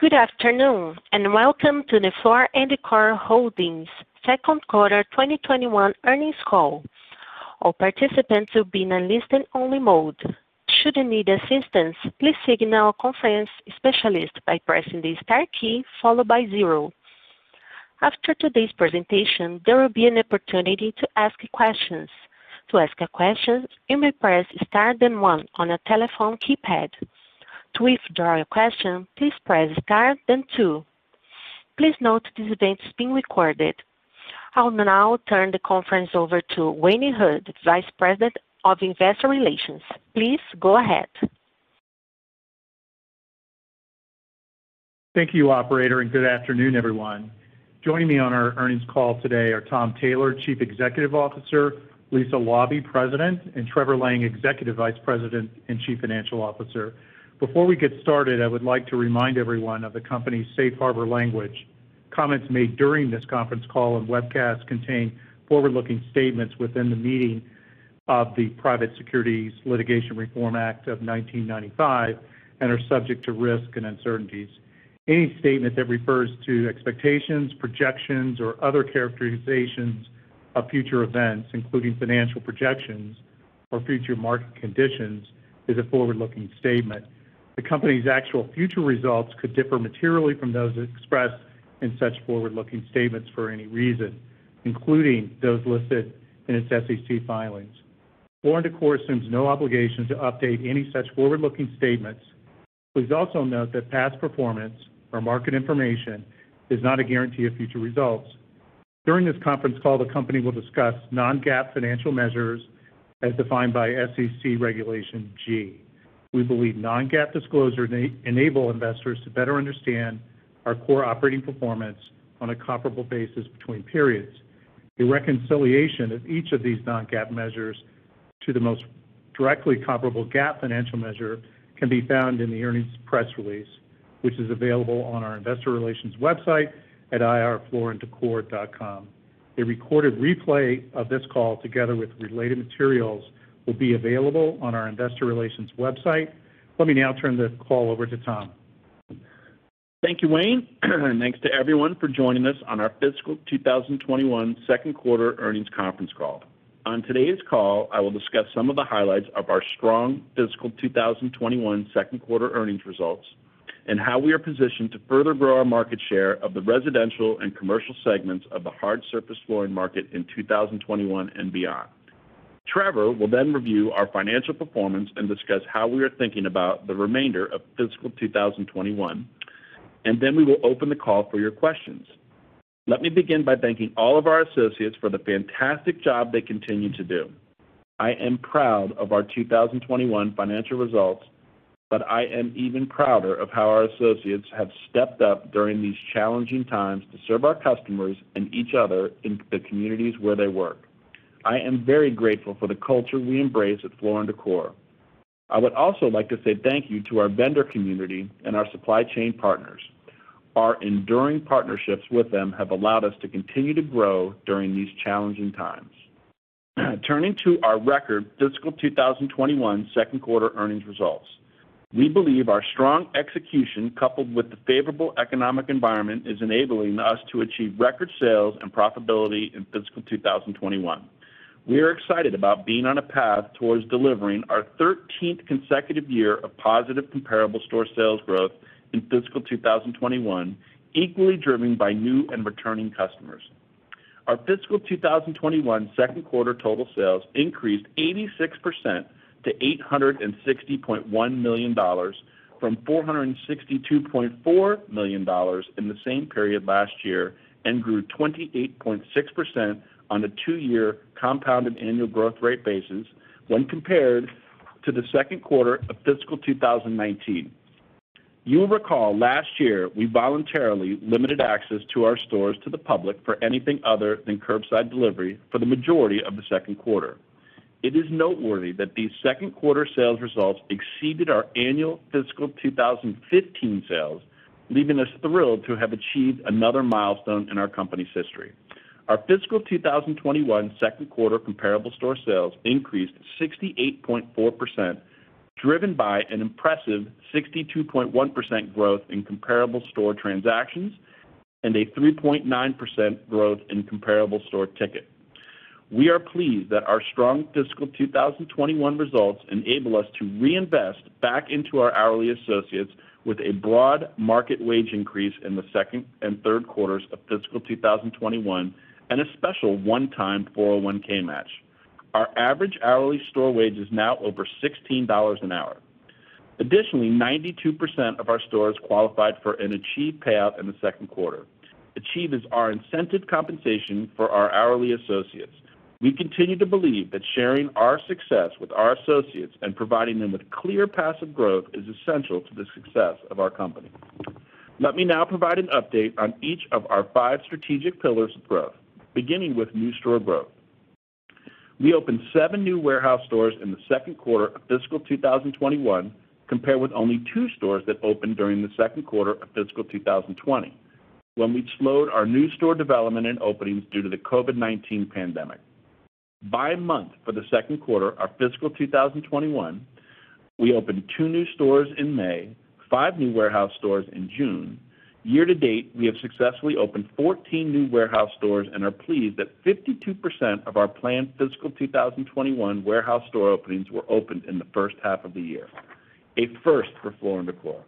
Good afternoon, and welcome to the Floor & Decor Holdings Q2 2021 earnings call. All participants will be in listen-only mode. Should you need assistance, please signal conference specialist by pressing the star key followed by zero. After today's presentation, there will be an opportunity to ask questions. To ask a question, you may press star then one on your telephone keypad. To withdraw your question, please press star then two. Please note this meeting is being recorded. I will now turn the conference over to Wayne Hood, Vice President of Investor Relations. Please go ahead. Thank you, operator, and good afternoon, everyone. Joining me on our earnings call today are Tom Taylor, Chief Executive Officer, Lisa Laube, President, and Trevor Lang, Executive Vice President and Chief Financial Officer. Before we get started, I would like to remind everyone of the Company's safe harbor language. Comments made during this conference call and webcast contain forward-looking statements within the meaning of the Private Securities Litigation Reform Act of 1995 and are subject to risk and uncertainties. Any statement that refers to expectations, projections, or other characterizations of future events, including financial projections or future market conditions, is a forward-looking statement. The Company's actual future results could differ materially from those expressed in such forward-looking statements for any reason, including those listed in its SEC filings. Floor & Decor assumes no obligation to update any such forward-looking statements. Please also note that past performance or market information is not a guarantee of future results. During this conference call, the company will discuss non-GAAP financial measures as defined by SEC Regulation G. We believe non-GAAP disclosures enable investors to better understand our core operating performance on a comparable basis between periods. A reconciliation of each of these non-GAAP measures to the most directly comparable GAAP financial measure can be found in the earnings press release, which is available on our investor relations website at ir.flooranddecor.com. A recorded replay of this call, together with related materials, will be available on our investor relations website. Let me now turn the call over to Tom. Thank you, Wayne. Thanks to everyone for joining us on our fiscal 2021 Q2 earnings conference call. On today's call, I will discuss some of the highlights of our strong fiscal 2021 Q2 earnings results and how we are positioned to further grow our market share of the residential and commercial segments of the hard surface flooring market in 2021 and beyond. Trevor will then review our financial performance and discuss how we are thinking about the remainder of fiscal 2021, and then we will open the call for your questions. Let me begin by thanking all of our associates for the fantastic job they continue to do. I am proud of our 2021 financial results, but I am even prouder of how our associates have stepped up during these challenging times to serve our customers and each other in the communities where they work. I am very grateful for the culture we embrace at Floor & Decor. I would also like to say thank you to our vendor community and our supply chain partners. Our enduring partnerships with them have allowed us to continue to grow during these challenging times. Turning to our record fiscal 2021 Q2 earnings results. We believe our strong execution, coupled with the favorable economic environment, is enabling us to achieve record sales and profitability in fiscal 2021. We are excited about being on a path towards delivering our 13th consecutive year of positive comparable store sales growth in fiscal 2021, equally driven by new and returning customers. Our fiscal 2021 Q2 total sales increased 86% to $860.1 million from $462.4 million in the same period last year and grew 28.6% on a two-year compounded annual growth rate basis when compared to the Q2 of fiscal 2019. You will recall last year, we voluntarily limited access to our stores to the public for anything other than curbside delivery for the majority of the Q2. It is noteworthy that these Q2 sales results exceeded our annual fiscal 2015 sales, leaving us thrilled to have achieved another milestone in our company's history. Our fiscal 2021 Q2 comparable store sales increased 68.4%, driven by an impressive 62.1% growth in comparable store transactions and a 3.9% growth in comparable store ticket. We are pleased that our strong fiscal 2021 results enable us to reinvest back into our hourly associates with a broad market wage increase in the Q2 and Q3 of fiscal 2021 and a special one-time 401K match. Our average hourly store wage is now over $16 an hour. Additionally, 92% of our stores qualified for an Achieve payout in the Q2. Achieve is our incentive compensation for our hourly associates. We continue to believe that sharing our success with our associates and providing them with clear paths of growth is essential to the success of our company. Let me now provide an update on each of our five strategic pillars of growth, beginning with new store growth. We opened seven new warehouse stores in the Q2 of fiscal 2021, compared with only two stores that opened during the Q2 of fiscal 2020 when we slowed our new store development and openings due to the COVID-19 pandemic. By month for the Q2 of fiscal 2021, we opened two new stores in May, five new warehouse stores in June. Year to date, we have successfully opened 14 new warehouse stores and are pleased that 52% of our planned fiscal 2021 warehouse store openings were opened in the H1 of the year, a first for Floor & Decor.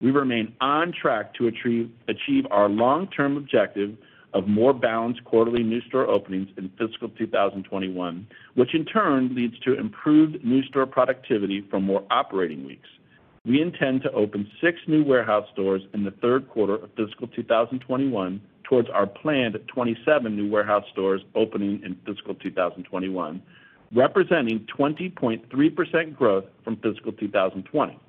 We remain on track to achieve our long-term objective of more balanced quarterly new store openings in fiscal 2021, which in turn leads to improved new store productivity for more operating weeks. We intend to open six new warehouse stores in the Q3 of fiscal 2021 towards our planned 27 new warehouse stores opening in fiscal 2021, representing 20.3% growth from fiscal 2020.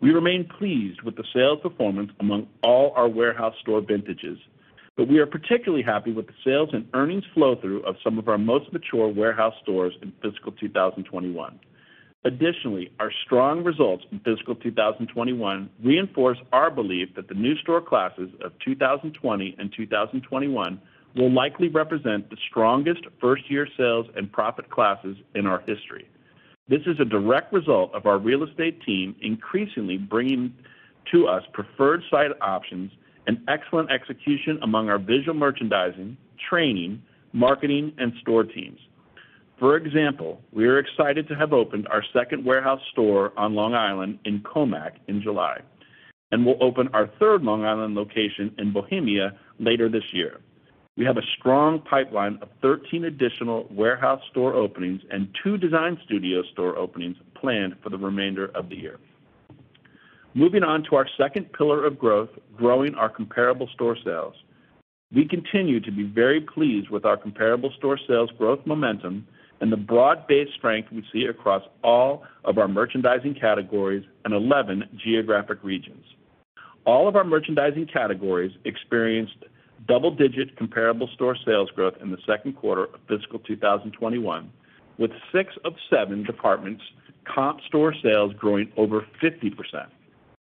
We remain pleased with the sales performance among all our warehouse store vintages, but we are particularly happy with the sales and earnings flow through of some of our most mature warehouse stores in fiscal 2021. Additionally, our strong results in fiscal 2021 reinforce our belief that the new store classes of 2020 and 2021 will likely represent the strongest first-year sales and profit classes in our history. This is a direct result of our real estate team increasingly bringing to us preferred site options and excellent execution among our visual merchandising, training, marketing, and store teams. For example, we are excited to have opened our second warehouse store on Long Island in Commack in July, and we'll open our third Long Island location in Bohemia later this year. We have a strong pipeline of 13 additional warehouse store openings and two design studio store openings planned for the remainder of the year. Moving on to our second pillar of growth, growing our comparable store sales. We continue to be very pleased with our comparable store sales growth momentum and the broad-based strength we see across all of our merchandising categories and 11 geographic regions. All of our merchandising categories experienced double-digit comparable store sales growth in the Q2 of fiscal 2021, with six of seven departments comp store sales growing over 50%.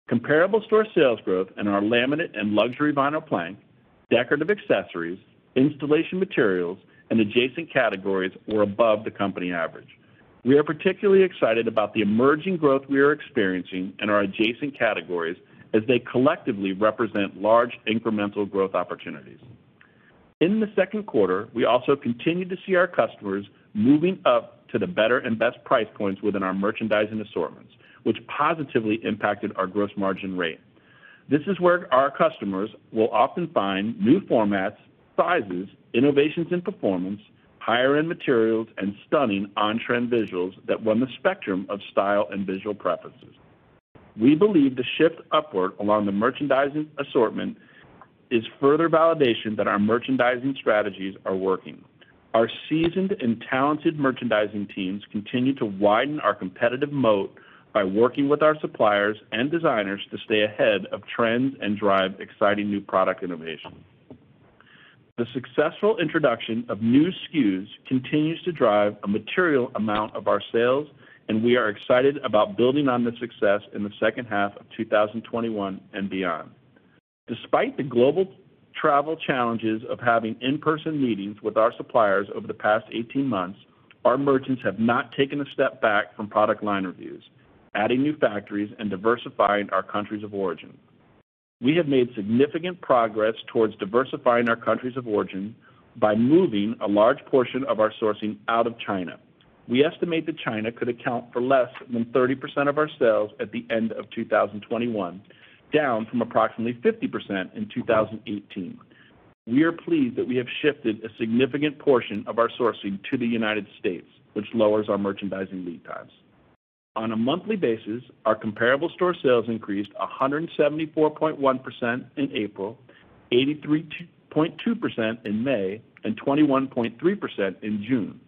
Comparable store sales growth in our laminate and luxury vinyl plank, decorative accessories, installation materials, and adjacent categories were above the company average. We are particularly excited about the emerging growth we are experiencing in our adjacent categories as they collectively represent large incremental growth opportunities. In the Q2, we also continued to see our customers moving up to the better and best price points within our merchandising assortments, which positively impacted our gross margin rate. This is where our customers will often find new formats, sizes, innovations in performance, higher-end materials, and stunning on-trend visuals that run the spectrum of style and visual preferences. We believe the shift upward along the merchandising assortment is further validation that our merchandising strategies are working. Our seasoned and talented merchandising teams continue to widen our competitive moat by working with our suppliers and designers to stay ahead of trends and drive exciting new product innovation. The successful introduction of new SKUs continues to drive a material amount of our sales, and we are excited about building on the success in the H2 of 2021 and beyond. Despite the global travel challenges of having in-person meetings with our suppliers over the past 18 months, our merchants have not taken a step back from product line reviews, adding new factories, and diversifying our countries of origin. We have made significant progress towards diversifying our countries of origin by moving a large portion of our sourcing out of China. We estimate that China could account for less than 30% of our sales at the end of 2021, down from approximately 50% in 2018. We are pleased that we have shifted a significant portion of our sourcing to the United States, which lowers our merchandising lead times. On a monthly basis, our comparable store sales increased 174.1% in April, 83.2% in May, and 21.3% in June.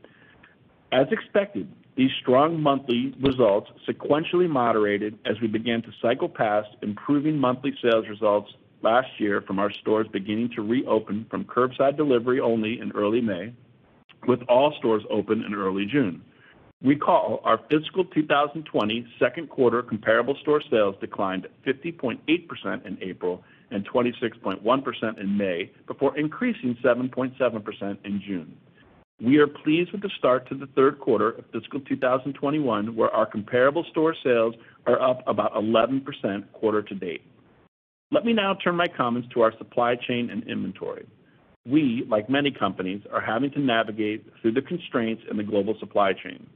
As expected, these strong monthly results sequentially moderated as we began to cycle past improving monthly sales results last year from our stores beginning to reopen from curbside delivery only in early May, with all stores open in early June. Recall our fiscal 2020 Q2 comparable store sales declined 50.8% in April and 26.1% in May before increasing 7.7% in June. We are pleased with the start to the Q3 of fiscal 2021, where our comparable store sales are up about 11% quarter to date. Let me now turn my comments to our supply chain and inventory. We, like many companies, are having to navigate through the constraints in the global supply chain.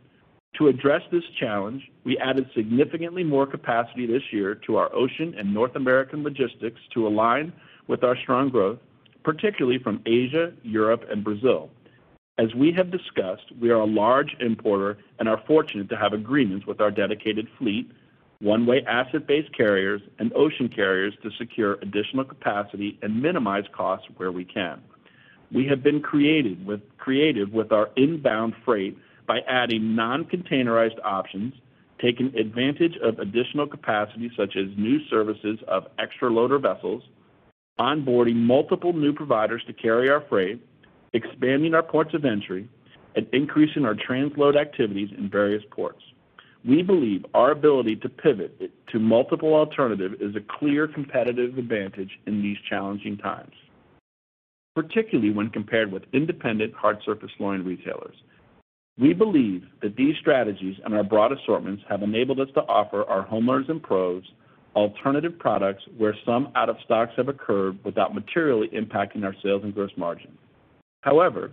To address this challenge, we added significantly more capacity this year to our ocean and North American logistics to align with our strong growth, particularly from Asia, Europe, and Brazil. As we have discussed, we are a large importer and are fortunate to have agreements with our dedicated fleet, one-way asset-based carriers, and ocean carriers to secure additional capacity and minimize costs where we can. We have been creative with our inbound freight by adding non-containerized options, taking advantage of additional capacity such as new services of extra loader vessels, onboarding multiple new providers to carry our freight, expanding our ports of entry, and increasing our transload activities in various ports. We believe our ability to pivot to multiple alternatives is a clear competitive advantage in these challenging times, particularly when compared with independent hard surface flooring retailers. We believe that these strategies and our broad assortments have enabled us to offer our homeowners and pros alternative products where some out-of-stocks have occurred without materially impacting our sales and gross margin. However,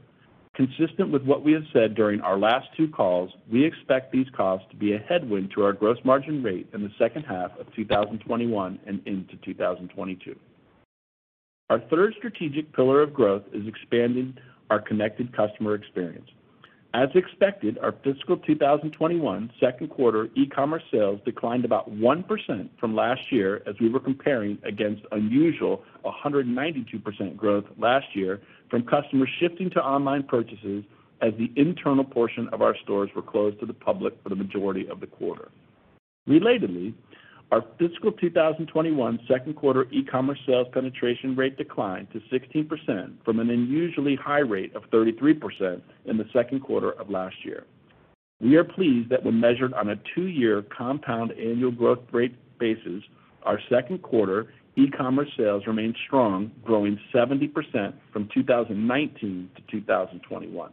consistent with what we have said during our last two calls, we expect these costs to be a headwind to our gross margin rate in the H2 of 2021 and into 2022. Our third strategic pillar of growth is expanding our connected customer experience. As expected, our fiscal 2021 Q2 e-commerce sales declined about 1% from last year as we were comparing against unusual 192% growth last year from customers shifting to online purchases as the internal portion of our stores were closed to the public for the majority of the quarter. Relatively, our fiscal 2021 Q2 e-commerce sales penetration rate declined to 16% from an unusually high rate of 33% in the Q2 of last year. We are pleased that when measured on a two-year compound annual growth rate basis, our Q2 e-commerce sales remained strong, growing 70% from 2019 to 2021.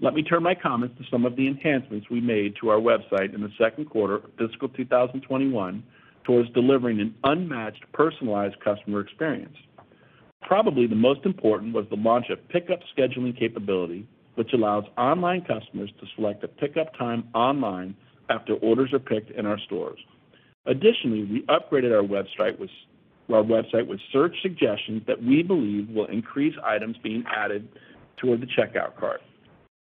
Let me turn my comments to some of the enhancements we made to our website in the Q2 of fiscal 2021 towards delivering an unmatched personalized customer experience. Probably the most important was the launch of pickup scheduling capability, which allows online customers to select a pickup time online after orders are picked in our stores. Additionally, we upgraded our website with search suggestions that we believe will increase items being added toward the checkout cart.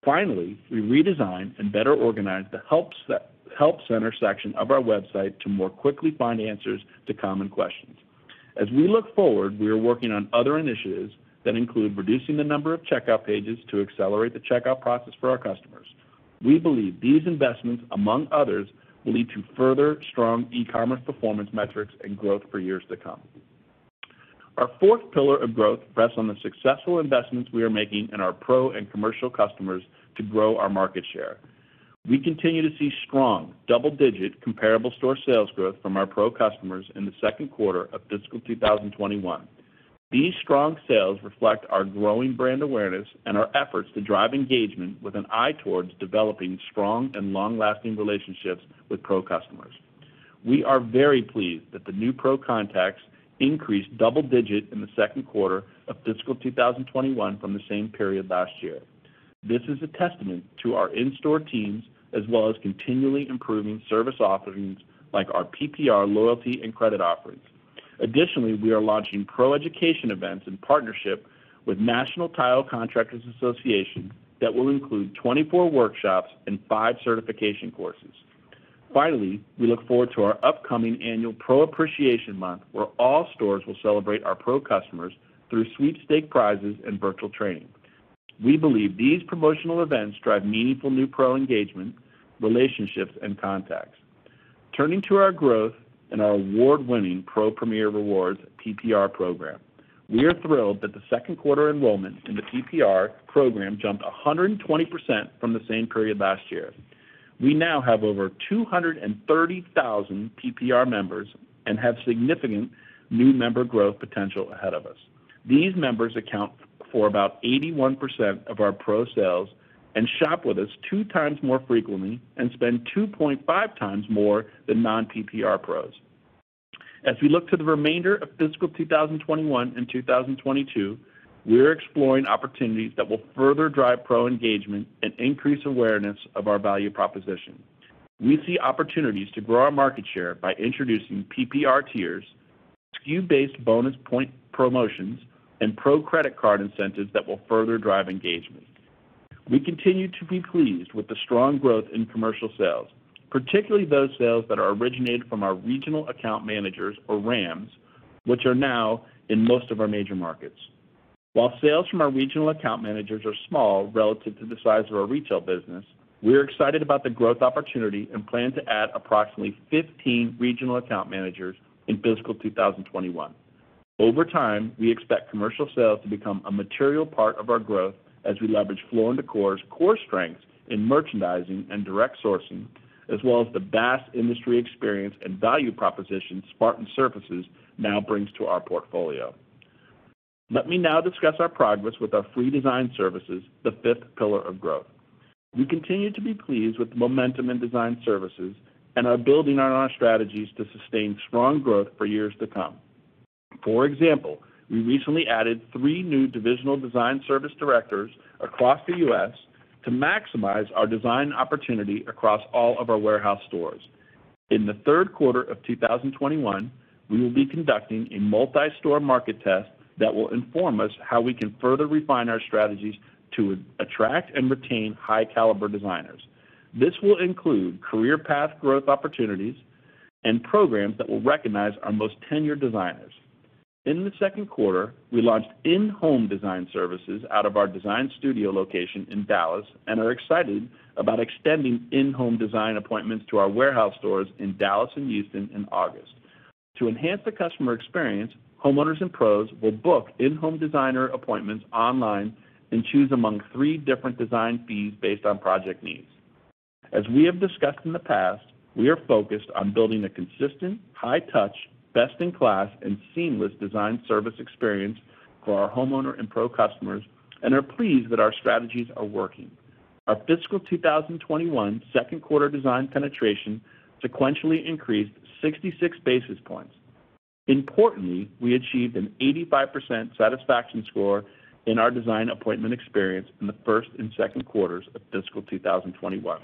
Finally, we redesigned and better organized the help center section of our website to more quickly find answers to common questions. As we look forward, we are working on other initiatives that include reducing the number of checkout pages to accelerate the checkout process for our customers. We believe these investments, among others, will lead to further strong e-commerce performance metrics and growth for years to come. Our fourth pillar of growth rests on the successful investments we are making in our pro and commercial customers to grow our market share. We continue to see strong double-digit comparable store sales growth from our pro customers in the Q2 of fiscal 2021. These strong sales reflect our growing brand awareness and our efforts to drive engagement with an eye towards developing strong and long-lasting relationships with pro customers. We are very pleased that the new pro contacts increased double-digit in the Q2 of fiscal 2021 from the same period last year. This is a testament to our in-store teams, as well as continually improving service offerings like our PPR loyalty and credit offerings. Additionally, we are launching Pro education events in partnership with National Tile Contractors Association that will include 24 workshops and five certification courses. Finally, we look forward to our upcoming annual Pro Appreciation Month, where all stores will celebrate our pro customers through sweepstake prizes and virtual training. We believe these promotional events drive meaningful new pro engagement, relationships, and contacts. Turning to our growth and our award-winning Pro Premier Rewards, PPR program. We are thrilled that the Q2 enrollment in the PPR program jumped 120% from the same period last year. We now have over 230,000 PPR members and have significant new member growth potential ahead of us. These members account for about 81% of our pro sales and shop with us 2x more frequently and spend 2.5x more than non-PPR pros. As we look to the remainder of fiscal 2021 and 2022, we're exploring opportunities that will further drive pro engagement and increase awareness of our value proposition. We see opportunities to grow our market share by introducing PPR tiers, SKU-based bonus point promotions, and pro credit card incentives that will further drive engagement. We continue to be pleased with the strong growth in commercial sales, particularly those sales that are originated from our regional account managers or RAMs, which are now in most of our major markets. While sales from our regional account managers are small relative to the size of our retail business, we're excited about the growth opportunity and plan to add approximately 15 Regional Account Managers in fiscal 2021. Over time, we expect commercial sales to become a material part of our growth as we leverage Floor & Decor's core strengths in merchandising and direct sourcing, as well as the vast industry experience and value proposition Spartan Surfaces now brings to our portfolio. Let me now discuss our progress with our free design services, the fifth pillar of growth. We continue to be pleased with the momentum in design services and are building on our strategies to sustain strong growth for years to come. For example, we recently added three new Divisional Design Service Directors across the U.S. to maximize our design opportunity across all of our warehouse stores. In the Q3 of 2021, we will be conducting a multi-store market test that will inform us how we can further refine our strategies to attract and retain high-caliber designers. This will include career path growth opportunities and programs that will recognize our most tenured designers. In the Q2, we launched in-home design services out of our design studio location in Dallas and are excited about extending in-home design appointments to our warehouse stores in Dallas and Houston in August. To enhance the customer experience, homeowners and pros will book in-home designer appointments online and choose among three different design fees based on project needs. As we have discussed in the past, we are focused on building a consistent, high-touch, best-in-class, and seamless design service experience for our homeowner and pro customers and are pleased that our strategies are working. Our fiscal 2021 Q2 design penetration sequentially increased 66 basis points. Importantly, we achieved an 85% satisfaction score in our design appointment experience in the Q1 and Q2 of fiscal 2021.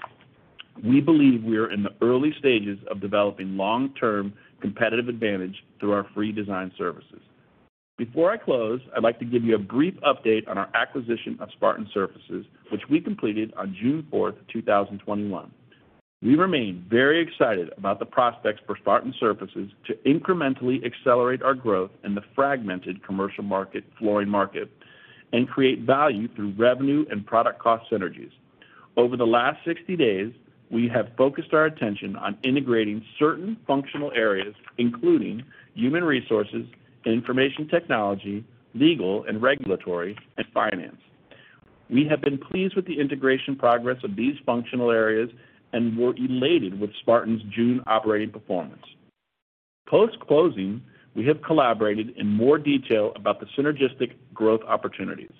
We believe we are in the early stages of developing long-term competitive advantage through our free design services. Before I close, I'd like to give you a brief update on our acquisition of Spartan Surfaces, which we completed on June 4th, 2021. We remain very excited about the prospects for Spartan Surfaces to incrementally accelerate our growth in the fragmented commercial flooring market and create value through revenue and product cost synergies. Over the last 60 days, we have focused our attention on integrating certain functional areas, including human resources, information technology, legal and regulatory, and finance. We have been pleased with the integration progress of these functional areas and were elated with Spartan's June operating performance. Post-closing, we have collaborated in more detail about the synergistic growth opportunities.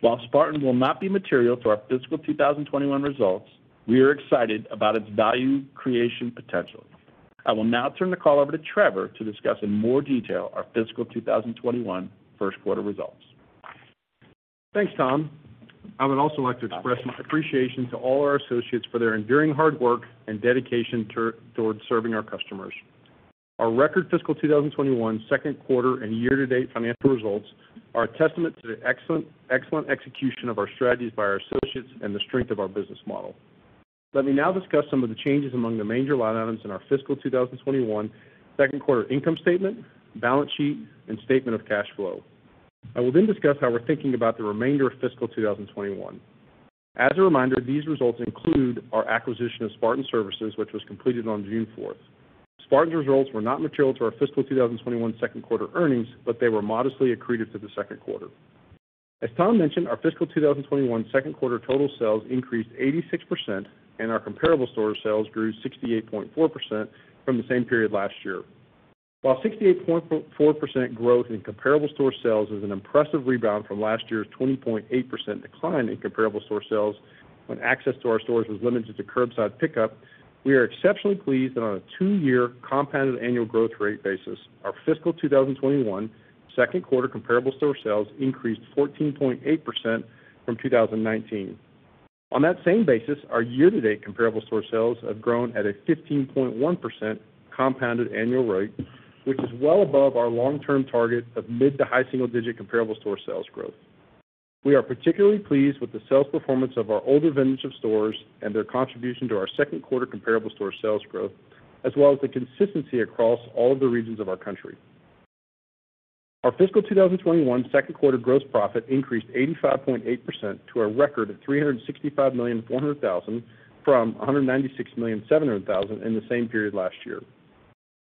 While Spartan will not be material to our fiscal 2021 results, we are excited about its value creation potential. I will now turn the call over to Trevor to discuss in more detail our fiscal 2021 Q1 results. Thanks, Tom. I would also like to express my appreciation to all our associates for their enduring hard work and dedication towards serving our customers. Our record fiscal 2021 Q2 and year-to-date financial results are a testament to the excellent execution of our strategies by our associates and the strength of our business model. Let me now discuss some of the changes among the major line items in our fiscal 2021 Q2 income statement, balance sheet, and statement of cash flow. I will then discuss how we're thinking about the remainder of fiscal 2021. As a reminder, these results include our acquisition of Spartan Surfaces, which was completed on June 4th. Spartan's results were not material to our fiscal 2021 Q2 earnings, but they were modestly accretive to the Q2. As Tom mentioned, our fiscal 2021 Q2 total sales increased 86%, and our comparable store sales grew 68.4% from the same period last year. While 68.4% growth in comparable store sales is an impressive rebound from last year's 20.8% decline in comparable store sales when access to our stores was limited to curbside pickup, we are exceptionally pleased that on a two-year compounded annual growth rate basis, our fiscal 2021 Q2 comparable store sales increased 14.8% from 2019. On that same basis, our year-to-date comparable store sales have grown at a 15.1% compounded annual rate, which is well above our long-term target of mid- to high-single-digit comparable store sales growth. We are particularly pleased with the sales performance of our older vintage of stores and their contribution to our Q2 comparable store sales growth, as well as the consistency across all of the regions of our country. Our fiscal 2021 Q2 gross profit increased 85.8% to a record of $365.4 million from $196.7 million in the same period last year.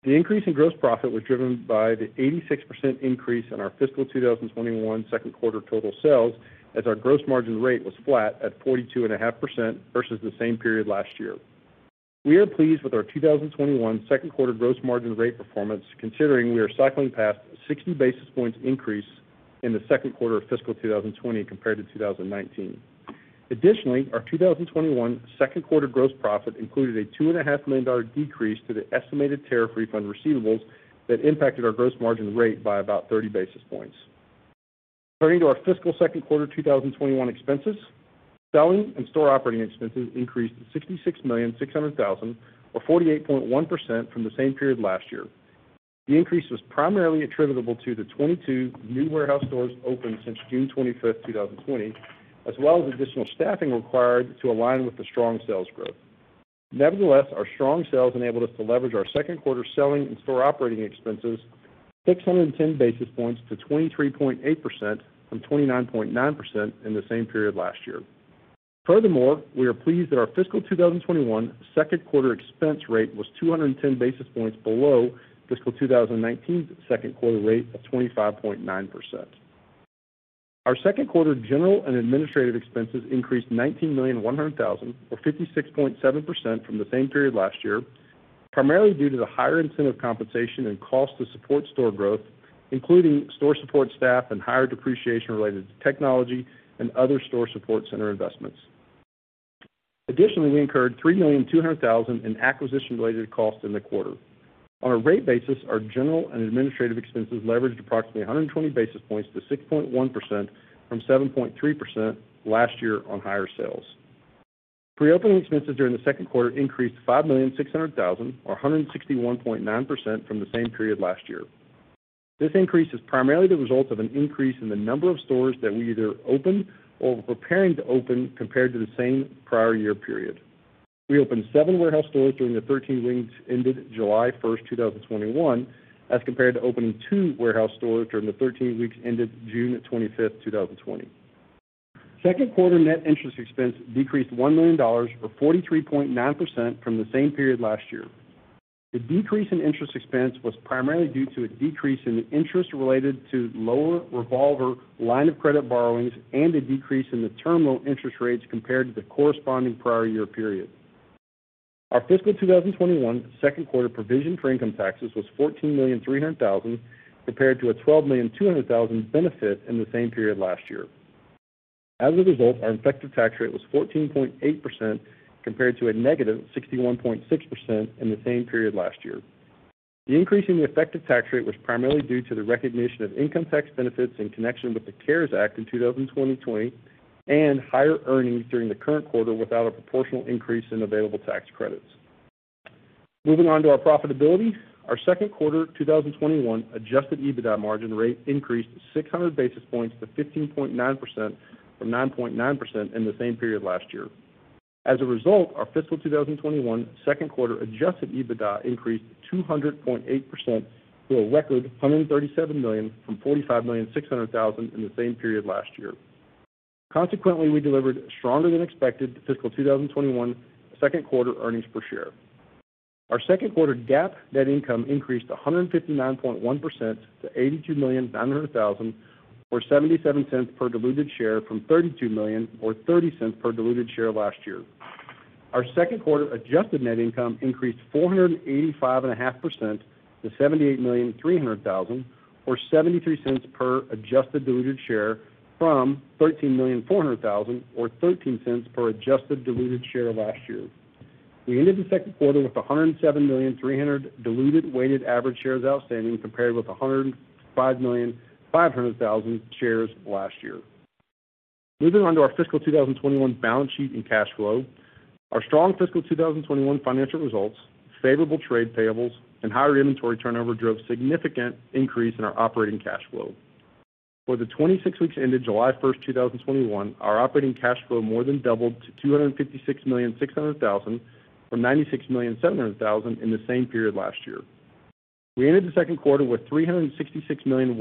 The increase in gross profit was driven by the 86% increase in our fiscal 2021 Q2 total sales, as our gross margin rate was flat at 42.5% versus the same period last year. We are pleased with our 2021 Q2 gross margin rate performance, considering we are cycling past a 60 basis points increase in the Q2 of fiscal 2020 compared to 2019. Additionally, our 2021 Q2 gross profit included a $2.5 million decrease to the estimated tariff refund receivables that impacted our gross margin rate by about 30 basis points. Turning to our fiscal Q2 2021 expenses, selling and store operating expenses increased to $66.6 million, or 48.1% from the same period last year. The increase was primarily attributable to the 22 new warehouse stores opened since June 25th, 2020, as well as additional staffing required to align with the strong sales growth. Nevertheless, our strong sales enabled us to leverage our Q2 selling and store operating expenses 610 basis points to 23.8% from 29.9% in the same period last year. Furthermore, we are pleased that our fiscal 2021 Q2 expense rate was 210 basis points below fiscal 2019's Q2 rate of 25.9%. Our Q2 general and administrative expenses increased $19.1 million, or 56.7% from the same period last year, primarily due to the higher incentive compensation and cost to support store growth, including store support staff and higher depreciation related to technology and other store support center investments. Additionally, we incurred $3.2 million in acquisition-related costs in the quarter. On a rate basis, our general and administrative expenses leveraged approximately 120 basis points to 6.1% from 7.3% last year on higher sales. Pre-opening expenses during the Q2 increased $5.6 million or 161.9% from the same period last year. This increase is primarily the result of an increase in the number of stores that we either opened or were preparing to open compared to the same prior year period. We opened seven warehouse stores during the 13 weeks ended July 1st, 2021, as compared to opening two warehouse stores during the 13 weeks ended June 25, 2020. Q2 net interest expense decreased $1 million or 43.9% from the same period last year. The decrease in interest expense was primarily due to a decrease in the interest related to lower revolver line of credit borrowings and a decrease in the term loan interest rates compared to the corresponding prior year period. Our fiscal 2021 Q2 provision for income taxes was $14.3 million compared to a $12.2 million benefit in the same period last year. As a result, our effective tax rate was 14.8% compared to a -61.6% in the same period last year. The increase in the effective tax rate was primarily due to the recognition of income tax benefits in connection with the CARES Act in 2020 and higher earnings during the current quarter without a proportional increase in available tax credits. Moving on to our profitability. Our Q2 2021 adjusted EBITDA margin rate increased 600 basis points to 15.9% from 9.9% in the same period last year. As a result, our fiscal 2021 Q2 adjusted EBITDA increased 200.8% to a record $137 million from $45.6 million in the same period last year. Consequently, we delivered stronger than expected fiscal 2021 Q2 earnings per share. Our Q2 GAAP net income increased 159.1% to $82.9 million or $0.77 per diluted share from $32 million or $0.30 per diluted share last year. Our Q2 adjusted net income increased 485.5% to $78.3 million or $0.73 per adjusted diluted share from $13.4 million or $0.13 per adjusted diluted share last year. We ended the Q2 with 107.3 million diluted weighted average shares outstanding compared with 105.5 million shares last year. Moving on to our fiscal 2021 balance sheet and cash flow. Our strong fiscal 2021 financial results, favorable trade payables, and higher inventory turnover drove significant increase in our operating cash flow. For the 26 weeks ended July 1st, 2021, our operating cash flow more than doubled to $256.6 million from $96.7 million in the same period last year. We ended the Q2 with $366.1 million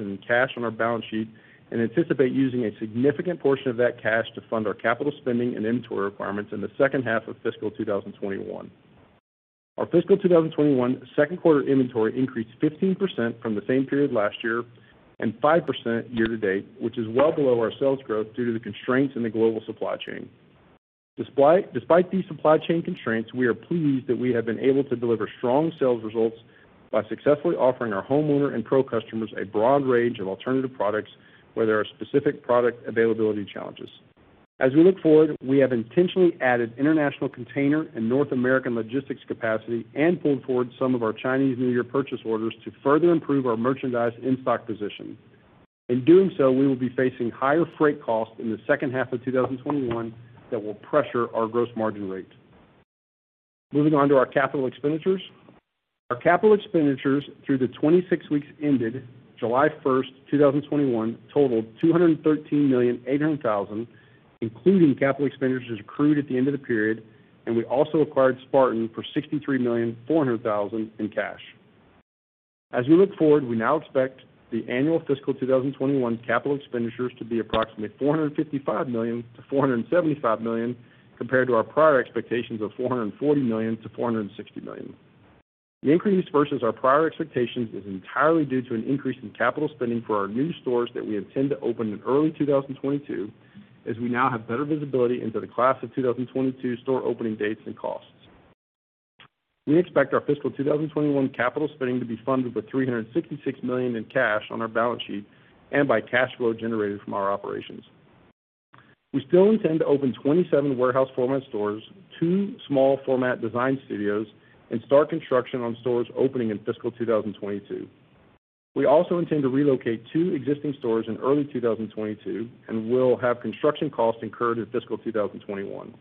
in cash on our balance sheet and anticipate using a significant portion of that cash to fund our capital spending and inventory requirements in the H2 of fiscal 2021. Our fiscal 2021 Q2 inventory increased 15% from the same period last year and 5% year-to-date, which is well below our sales growth due to the constraints in the global supply chain. Despite these supply chain constraints, we are pleased that we have been able to deliver strong sales results by successfully offering our homeowner and pro customers a broad range of alternative products where there are specific product availability challenges. As we look forward, we have intentionally added international container and North American logistics capacity and pulled forward some of our Chinese New Year purchase orders to further improve our merchandise in-stock position. In doing so, we will be facing higher freight costs in the H2 of 2021 that will pressure our gross margin rate. Moving on to our capital expenditures. Our CapEx through the 26 weeks ended July 1st, 2021 totaled $213.8 million, including CapEx accrued at the end of the period, and we also acquired Spartan for $63.4 million in cash. As we look forward, we now expect the annual fiscal 2021 CapEx to be approximately $455 million-$475 million compared to our prior expectations of $440 million-$460 million. The increase versus our prior expectations is entirely due to an increase in CapEx for our new stores that we intend to open in early 2022, as we now have better visibility into the class of 2022 store opening dates and costs. We expect our fiscal 2021 capital spending to be funded with $366 million in cash on our balance sheet and by cash flow generated from our operations. We still intend to open 27 warehouse format stores, two small format design studios, and start construction on stores opening in fiscal 2022. We also intend to relocate two existing stores in early 2022, and will have construction costs incurred in fiscal 2021.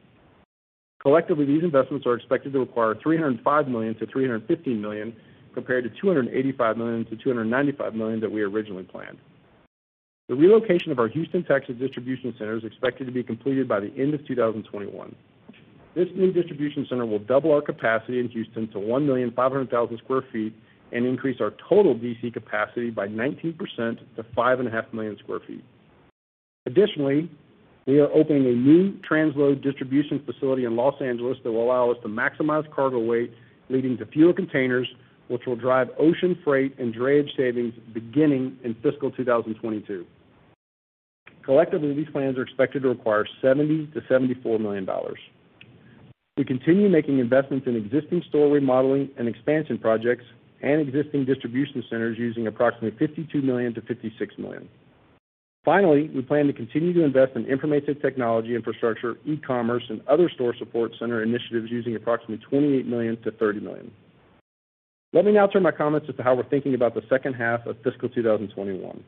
Collectively, these investments are expected to require $305 million-$350 million, compared to $285 million-$295 million that we originally planned. The relocation of our Houston, Texas, distribution center is expected to be completed by the end of 2021. This new distribution center will double our capacity in Houston to 1,500,000 square feet and increase our total DC capacity by 19% to 5.5 million square feet. Additionally, we are opening a new transload distribution facility in Los Angeles that will allow us to maximize cargo weight, leading to fewer containers, which will drive ocean freight and drayage savings beginning in fiscal 2022. Collectively, these plans are expected to require $70 million-$74 million. We continue making investments in existing store remodeling and expansion projects and existing distribution centers using approximately $52 million-$56 million. Finally, we plan to continue to invest in information technology infrastructure, e-commerce, and other store support center initiatives using approximately $28 million-$30 million. Let me now turn my comments as to how we're thinking about the H2 of fiscal 2021.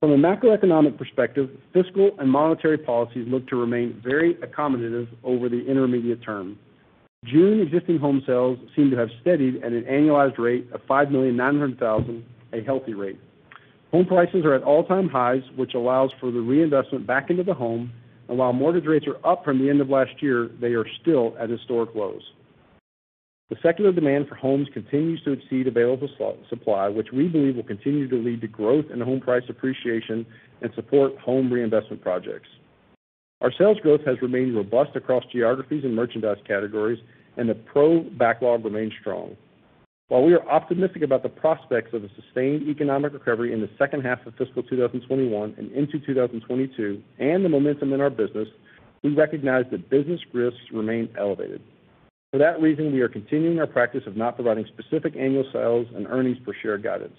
From a macroeconomic perspective, fiscal and monetary policies look to remain very accommodative over the intermediate term. June existing home sales seem to have steadied at an annualized rate of 5,900,000 a healthy rate. Home prices are at all-time highs, which allows for the reinvestment back into the home, while mortgage rates are up from the end of last year, they are still at historic lows. The secular demand for homes continues to exceed available supply, which we believe will continue to lead to growth in the home price appreciation and support home reinvestment projects. Our sales growth has remained robust across geographies and merchandise categories, and the pro backlog remains strong. While we are optimistic about the prospects of a sustained economic recovery in the H2 of fiscal 2021 and into 2022 and the momentum in our business, we recognize that business risks remain elevated. For that reason, we are continuing our practice of not providing specific annual sales and earnings per share guidance.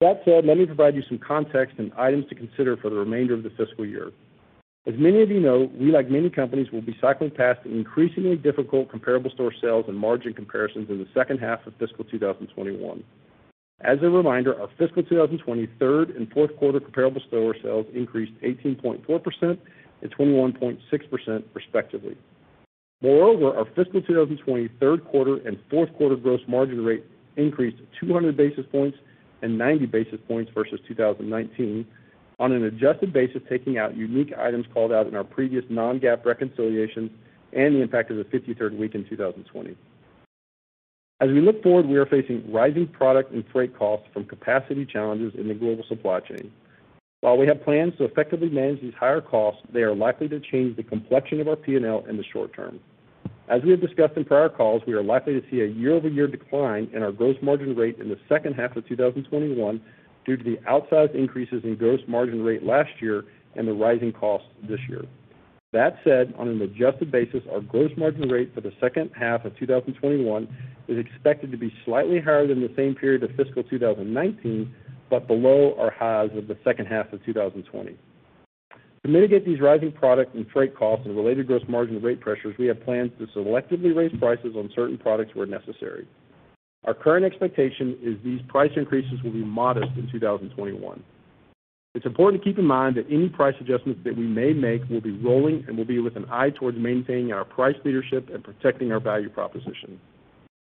That said, let me provide you some context and items to consider for the remainder of the fiscal year. As many of you know, we, like many companies, will be cycling past increasingly difficult comparable store sales and margin comparisons in the H2 of fiscal 2021. As a reminder, our fiscal 2020 third and Q4 comparable store sales increased 18.4% and 21.6%, respectively. Morover, our fiscal 2020 Q3 and Q4 gross margin rate increased 200 basis points and 90 basis points versus 2019 on an adjusted basis, taking out unique items called out in our previous non-GAAP reconciliations and the impact of the 53rd week in 2020. As we look forward, we are facing rising product and freight costs from capacity challenges in the global supply chain. While we have plans to effectively manage these higher costs, they are likely to change the complexion of our P&L in the short term. As we have discussed in prior calls, we are likely to see a year-over-year decline in our gross margin rate in the H2 of 2021 due to the outsized increases in gross margin rate last year and the rising costs this year. That said, on an adjusted basis, our gross margin rate for the H2 of 2021 is expected to be slightly higher than the same period of fiscal 2019, but below our highs of the H2 of 2020. To mitigate these rising product and freight costs and related gross margin rate pressures, we have plans to selectively raise prices on certain products where necessary. Our current expectation is these price increases will be modest in 2021. It's important to keep in mind that any price adjustments that we may make will be rolling and will be with an eye towards maintaining our price leadership and protecting our value proposition.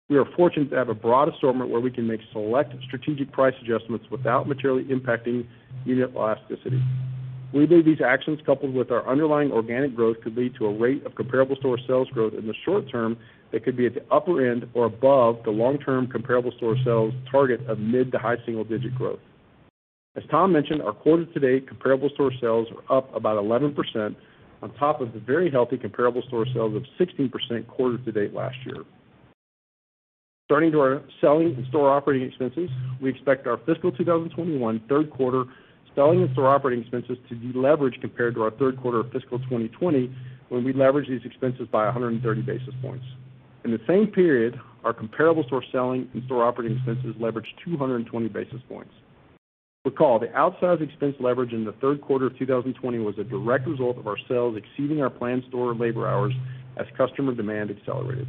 We are fortunate to have a broad assortment where we can make select strategic price adjustments without materially impacting unit elasticity. We believe these actions, coupled with our underlying organic growth, could lead to a rate of comparable store sales growth in the short term that could be at the upper end or above the long-term comparable store sales target of mid- to high-single-digit growth. As Tom mentioned, our quarter to date comparable store sales are up about 11% on top of the very healthy comparable store sales of 16% quarter to date last year. Turning to our selling and store operating expenses, we expect our fiscal 2021 Q3 selling and store operating expenses to deleverage compared to our Q3 of fiscal 2020 when we leveraged these expenses by 130 basis points. In the same period, our comparable store selling and store operating expenses leveraged 220 basis points. Recall, the outsized expense leverage in the Q3 of 2020 was a direct result of our sales exceeding our planned store labor hours as customer demand accelerated.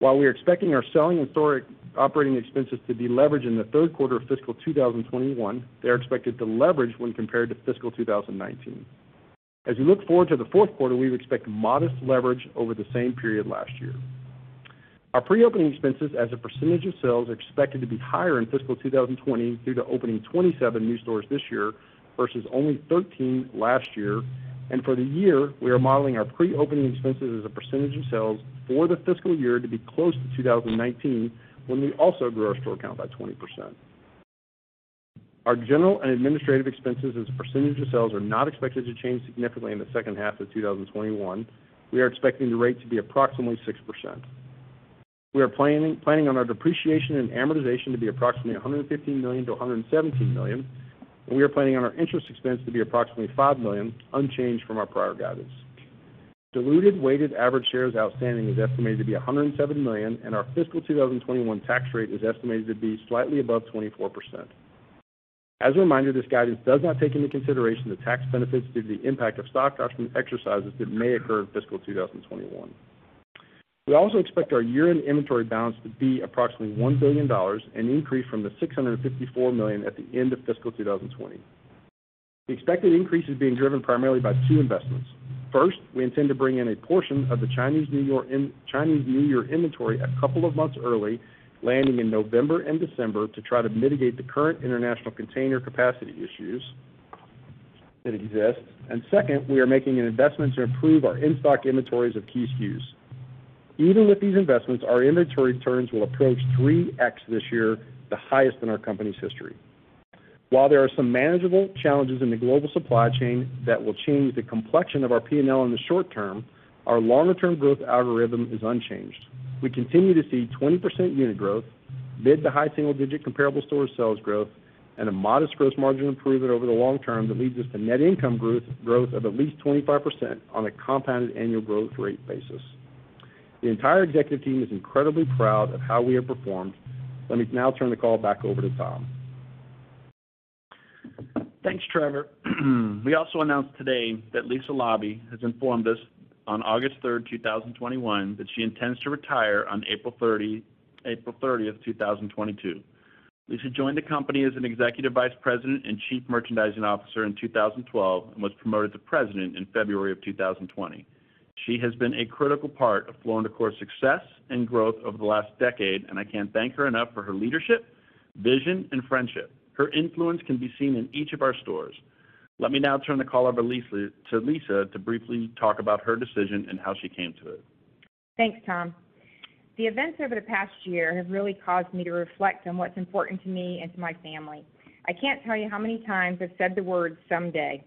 While we are expecting our selling and store operating expenses to deleverage in the Q3 of fiscal 2021, they are expected to leverage when compared to fiscal 2019. As we look forward to the Q4, we would expect modest leverage over the same period last year. Our pre-opening expenses as a percentage of sales are expected to be higher in fiscal 2020 due to opening 27 new stores this year versus only 13 last year, and for the year, we are modeling our pre-opening expenses as a percentage of sales for the fiscal year to be close to 2019 when we also grew our store count by 20%. Our general and administrative expenses as a percentage of sales are not expected to change significantly in the H2 of 2021, we are expecting the rate to be approximately 6%. We are planning on our depreciation and amortization to be approximately $115 million-$117 million, and we are planning on our interest expense to be approximately $5 million, unchanged from our prior guidance. Diluted weighted average shares outstanding is estimated to be 107 million, and our fiscal 2021 tax rate is estimated to be slightly above 24%. As a reminder, this guidance does not take into consideration the tax benefits due to the impact of stock option exercises that may occur in fiscal 2021. We also expect our year-end inventory balance to be approximately $1 billion, an increase from the $654 million at the end of fiscal 2020. The expected increase is being driven primarily by two investments. First, we intend to bring in a portion of the Chinese New Year inventory a couple of months early, landing in November and December to try to mitigate the current international container capacity issues that exist, and second, we are making an investment to improve our in-stock inventories of key SKUs. Even with these investments, our inventory turns will approach 3x this year, the highest in our company's history. While there are some manageable challenges in the global supply chain that will change the complexion of our P&L in the short term, our longer-term growth algorithm is unchanged. We continue to see 20% unit growth, mid-to-high single-digit comparable store sales growth, and a modest gross margin improvement over the long term that leads us to net income growth of at least 25% on a compounded annual growth rate basis. The entire executive team is incredibly proud of how we have performed. Let me now turn the call back over to Tom. Thanks, Trevor. We also announced today that Lisa Laube has informed us on August 3rd, 2021 that she intends to retire on April 30th, 2022. Lisa joined the company as an Executive Vice President and Chief Merchandising Officer in 2012, and was promoted to President in February of 2020. She has been a critical part of Floor & Decor's success and growth over the last decade, and I can't thank her enough for her leadership, vision, and friendship. Her influence can be seen in each of our stores. Let me now turn the call over to Lisa to briefly talk about her decision and how she came to it. Thanks, Tom. The events over the past year have really caused me to reflect on what's important to me and to my family. I can't tell you how many times I've said the word someday.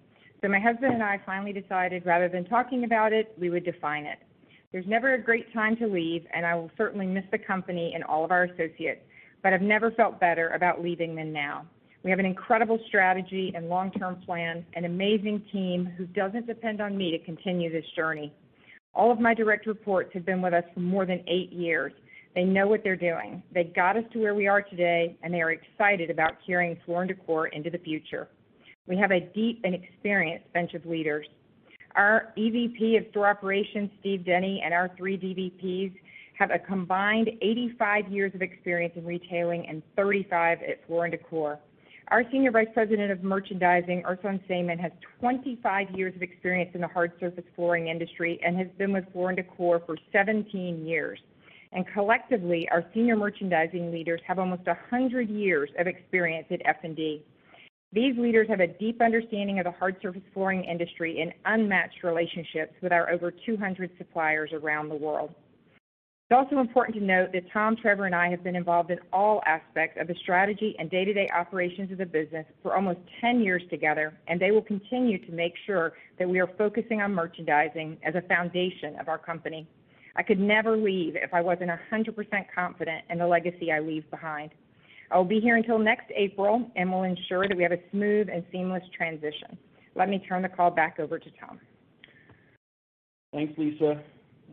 My husband and I finally decided rather than talking about it, we would define it. There's never a great time to leave, and I will certainly miss the company and all of our associates, but I've never felt better about leaving than now. We have an incredible strategy and long-term plan, an amazing team who doesn't depend on me to continue this journey. All of my direct reports have been with us for more than eight years. They know what they're doing. They got us to where we are today, and they are excited about carrying Floor & Decor into the future. We have a deep and experienced bench of leaders. Our EVP of Store Operations, Steven Denny, and our three DVPs have a combined 85 years of experience in retailing and 35 at Floor & Decor. Our Senior Vice President of Merchandising, Ersan Sayman, has 25 years of experience in the hard surface flooring industry and has been with Floor & Decor for 17 years, and collectively, our senior merchandising leaders have almost 100 years of experience at F&D. These leaders have a deep understanding of the hard surface flooring industry and unmatched relationships with our over 200 suppliers around the world. It's also important to note that Tom, Trevor, and I have been involved in all aspects of the strategy and day-to-day operations of the business for almost 10 years together, and they will continue to make sure that we are focusing on merchandising as a foundation of our company. I could never leave if I wasn't 100% confident in the legacy I leave behind. I'll be here until next April and will ensure that we have a smooth and seamless transition. Let me turn the call back over to Tom. Thanks, Lisa.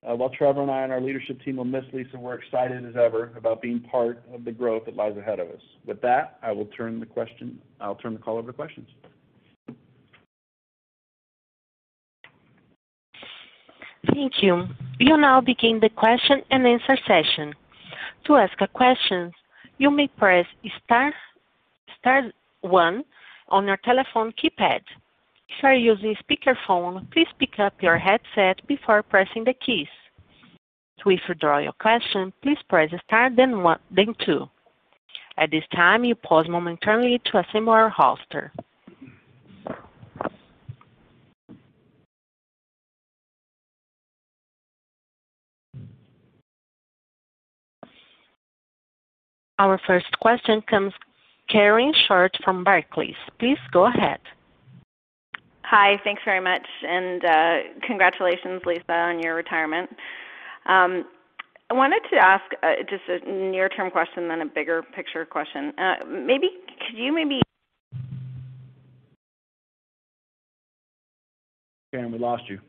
While Trevor and I and our leadership team will miss Lisa, we're excited as ever about being part of the growth that lies ahead of us. With that, I'll turn the call over to questions. Thank you. We now begin the question-and-answer session. To ask a question, you may press star one on your telephone keypad. If you are using speaker phone, please pick up your headset before pressing the keys. To withdraw your question, please press star then two. At this time we pause momentarily to assemble our questions. Our first question comes Karen Short from Barclays. Please go ahead. Hi. Thanks very much, and congratulations, Lisa, on your retirement. I wanted to ask just a near-term question, then a bigger picture question. Could you maybe. Karen, we lost you.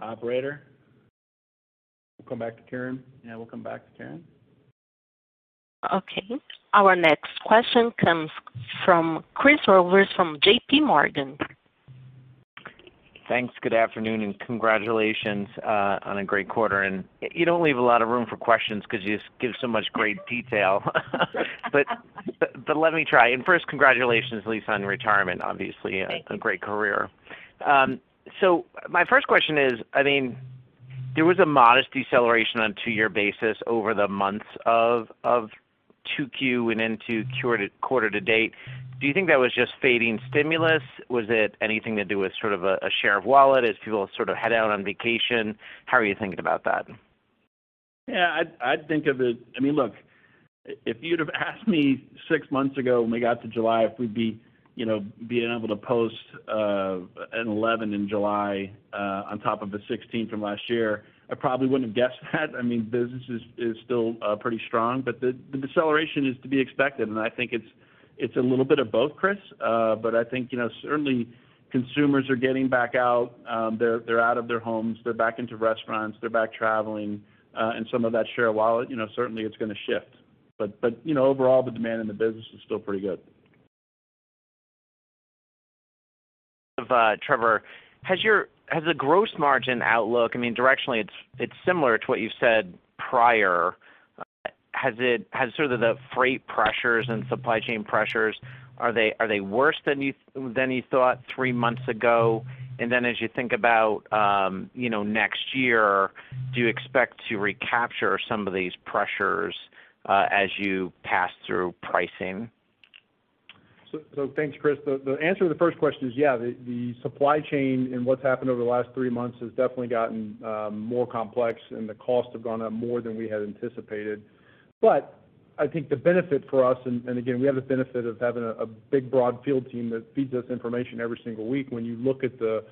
Operator? We'll come back to Karen. Yeah, we'll come back to Karen. Okay. Our next question comes from Chris Horvers from JPMorgan. Thanks. Good afternoon, and congratulations, on a great quarter, and you don't leave a lot of room for questions because you just give so much great detail. Let me try. First, congratulations, Lisa, on your retirement, obviously a great career. Thank you. My first question is, I mean, there was a modest deceleration on two-year basis over the months of Q2 and into quarter to date. Do you think that was just fading stimulus? Was it anything to do with sort of a share of wallet as people sort of head out on vacation? How are you thinking about that? Yeah, I'd think of it I mean, look, if you'd have asked me six months ago when we got to July if we'd be, you know, being able to post an 11 in July on top of a 16 from last year, I probably wouldn't have guessed that. I mean, business is still pretty strong, but the deceleration is to be expected, and I think it's a little bit of both, Chris, but I think, you know, certainly consumers are getting back out, they're out of their homes, they're back into restaurants, they're back traveling, and some of that share of wallet, you know, certainly it's gonna shift, but you know, overall, the demand in the business is still pretty good. Trevor, has the gross margin outlook I mean, directionally it's similar to what you've said prior. Has sort of the freight pressures and supply chain pressures, are they worse than you thought three months ago? And then, as you think about, you know, next year, do you expect to recapture some of these pressures, as you pass through pricing? Thanks, Chris. The answer to the first question is, yeah, the supply chain and what's happened over the last three months has definitely gotten more complex, and the costs have gone up more than we had anticipated. I think the benefit for us, and again, we have the benefit of having a big, broad field team that feeds us information every single week. When you look at the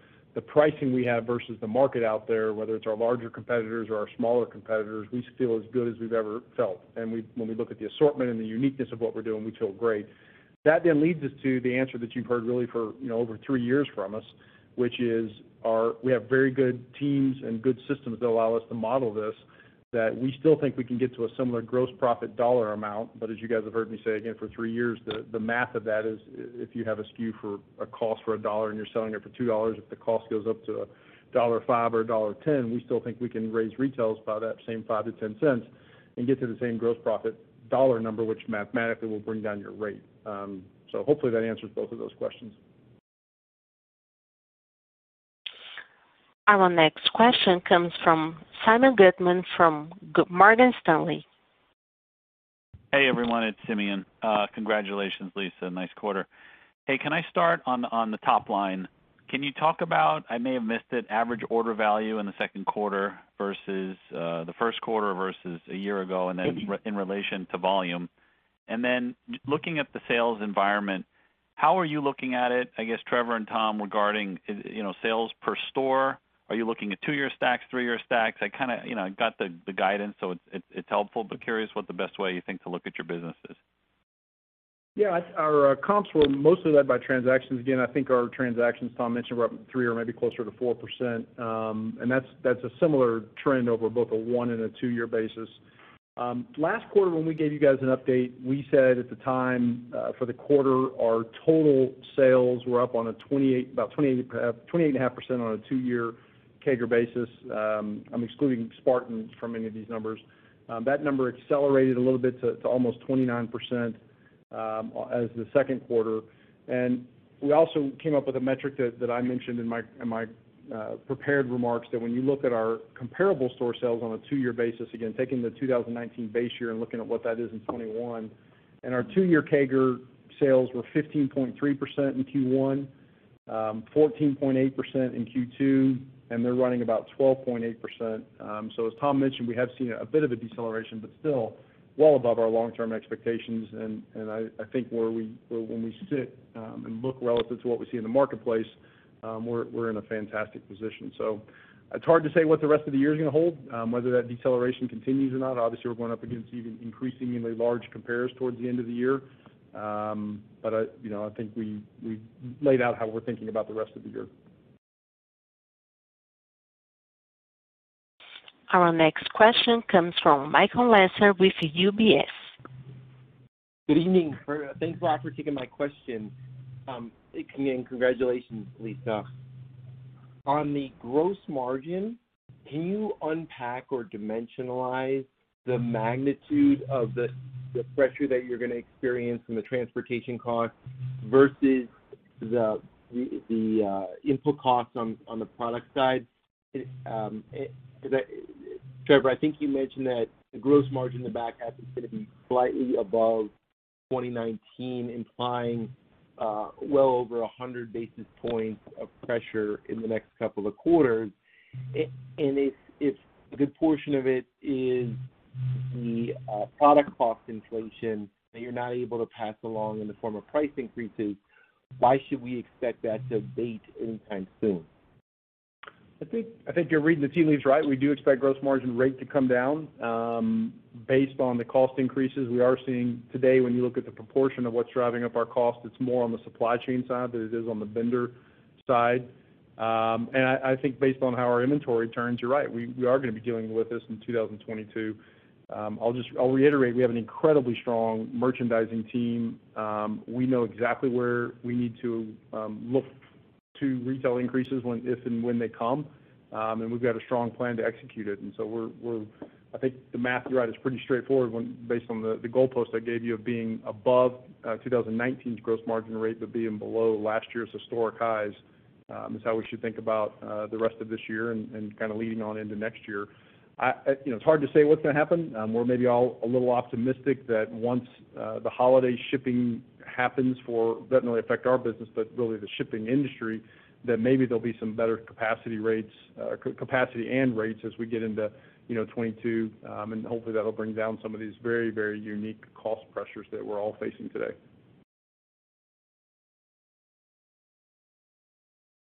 pricing we have versus the market out there, whether it's our larger competitors or our smaller competitors, we feel as good as we've ever felt, and when we look at the assortment and the uniqueness of what we're doing, we feel great. That leads us to the answer that you've heard really for, you know, over three years from us, which is we have very good teams and good systems that allow us to model this, that we still think we can get to a similar gross profit dollar amount. As you guys have heard me say again for three years, the math of that is if you have a SKU for a cost for $1 and you're selling it for $2, if the cost goes up to $1.05 or $1.10, we still think we can raise retails by that same $0.05-$0.10 and get to the same gross profit dollar number, which mathematically will bring down your rate. So hopefully that answers both of those questions. Our next question comes from Simeon Gutman from Morgan Stanley. Hey everyone, it's Simeon. Congratulations, Lisa. Nice quarter. Hey, can I start on the top line? Can you talk about I may have missed it, average order value in the Q2 versus the Q1 versus a year ago, and in relation to volume. Then looking at the sales environment, how are you looking at it, I guess, Trevor and Tom, regarding, you know, sales per store? Are you looking at two-year stacks, three-year stacks? I kinda, you know, got the guidance, so it's helpful, but curious what the best way you think to look at your business is. Yeah. Our comps were mostly led by transactions. I think our transactions, Tom mentioned, were up 3% or maybe closer to 4%. That's a similar trend over both a one and a two-year basis. Last quarter when we gave you guys an update, we said at the time, for the quarter, our total sales were up about 28.5% on a two-year CAGR basis. I'm excluding Spartan from any of these numbers. That number accelerated a little bit to almost 29%, as the Q2. We also came up with a metric that I mentioned in my, in my prepared remarks, that when you look at our comparable store sales on a two-year basis, again, taking the 2019 base year and looking at what that is in 2021, and our two-year CAGR sales were 15.3% in Q1, 14.8% in Q2, and they're running about 12.8%. As Tom mentioned, we have seen a bit of a deceleration, but still well above our long-term expectations, and I think when we sit and look relative to what we see in the marketplace, we're in a fantastic position. It's hard to say what the rest of the year's gonna hold, whether that deceleration continues or not. Obviously, we're going up against even increasingly large compares towards the end of the year. I, you know, I think we laid out how we're thinking about the rest of the year. Our next question comes from Michael Lasser with UBS. Good evening. Thanks a lot for taking my question. Congratulations, Lisa. On the gross margin, can you unpack or dimensionalize the magnitude of the pressure that you're going to experience from the transportation cost versus the input costs on the product side? Trevor Lang, I think you mentioned that the gross margin in the back half is going to be slightly above 2019, implying well over 100 basis points of pressure in the next couple of quarters. If a good portion of it is the product cost inflation that you're not able to pass along in the form of price increases, why should we expect that to abate anytime soon? I think you're reading the tea leaves right. We do expect gross margin rate to come down, based on the cost increases we are seeing today. When you look at the proportion of what's driving up our cost, it's more on the supply chain side than it is on the vendor side. I think based on how our inventory turns, you're right, we are gonna be dealing with this in 2022. I'll reiterate, we have an incredibly strong merchandising team. We know exactly where we need to, look to retail increases when, if and when they come. We've got a strong plan to execute it. We're I think the math you write is pretty straightforward when based on the goalpost I gave you of being above 2019's gross margin rate, but being below last year's historic highs, is how we should think about the rest of this year and kinda leading on into next year. You know, it's hard to say what's gonna happen. We're maybe all a little optimistic that once the holiday shipping happens for It doesn't really affect our business, but really the shipping industry, that maybe there'll be some better capacity rates, capacity and rates as we get into, you know, 2022. Hopefully, that'll bring down some of these very unique cost pressures that we're all facing today.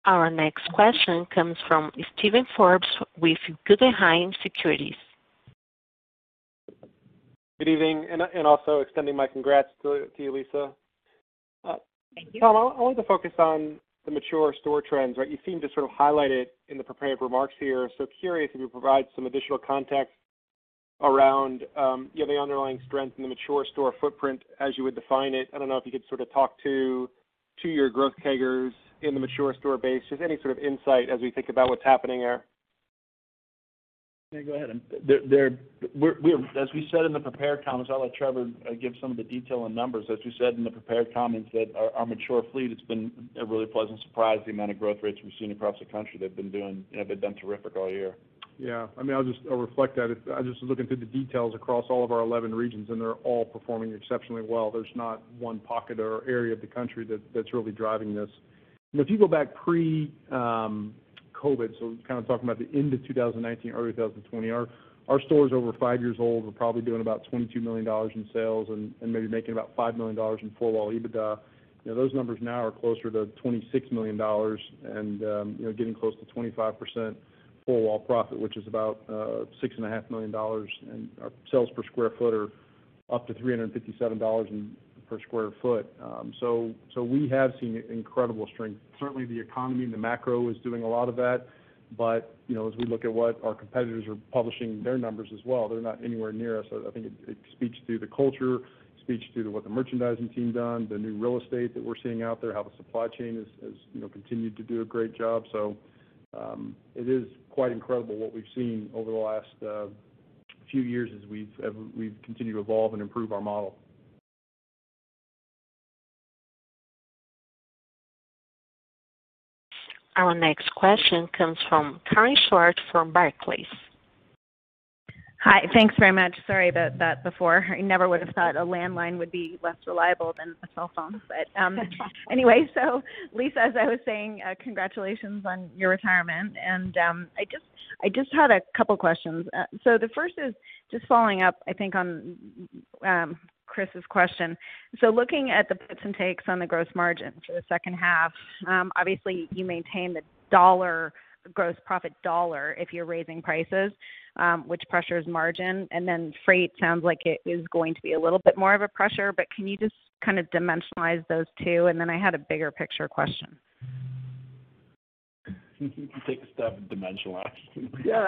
Our next question comes from Steven Forbes with Guggenheim Securities. Good evening, and also extending my congrats to you, Lisa. Thank you. Tom, I want to focus on the mature store trends, right? You seem to sort of highlight it in the prepared remarks here. Curious if you provide some additional context around, you know, the underlying strength in the mature store footprint as you would define it. I don't know if you could sort of talk to two-year growth CAGRs in the mature store base. Just any sort of insight as we think about what's happening there. Yeah, go ahead. As we said in the prepared comments, I'll let Trevor give some of the detail and numbers. As we said in the prepared comments that our mature fleet, it's been a really pleasant surprise, the amount of growth rates we've seen across the country. They've been doing, you know, they've been terrific all year. Yeah. I mean, I'll reflect that. It's I was just looking through the details across all of our 11 regions, and they're all performing exceptionally well. There's not one pocket or area of the country that's really driving this. If you go back pre-COVID, so kind of talking about the end of 2019, early 2020, our stores over five years old were probably doing about $22 million in sales and maybe making about $5 million in four-wall EBITDA. You know, those numbers now are closer to $26 million and, you know, getting close to 25% four wall profit, which is about $6.5 million. Our sales per square foot are up to $357 per square foot, so we have seen incredible strength. Certainly, the economy and the macro is doing a lot of that, but you know, as we look at what our competitors are publishing their numbers as well, they're not anywhere near us. I think it speaks to the culture, speaks to what the merchandising team done, the new real estate that we're seeing out there, how the supply chain has, you know, continued to do a great job. It is quite incredible what we've seen over the last few years as we've continued to evolve and improve our model. Our next question comes from Karen Short from Barclays. Hi. Thanks very much. Sorry about that before. I never would have thought a landline would be less reliable than a cell phone. Anyway, Lisa, as I was saying, congratulations on your retirement. I just had a couple questions. The first is just following up, I think, on Chris's question. Looking at the puts and takes on the gross margin for the H2, obviously, you maintain the gross profit dollar if you're raising prices, which pressures margin, and then freight sounds like it is going to be a little bit more of a pressure, but can you just kind of dimensionalize those two? Then I had a bigger picture question. You can take a stab at dimensionalizing. Yeah.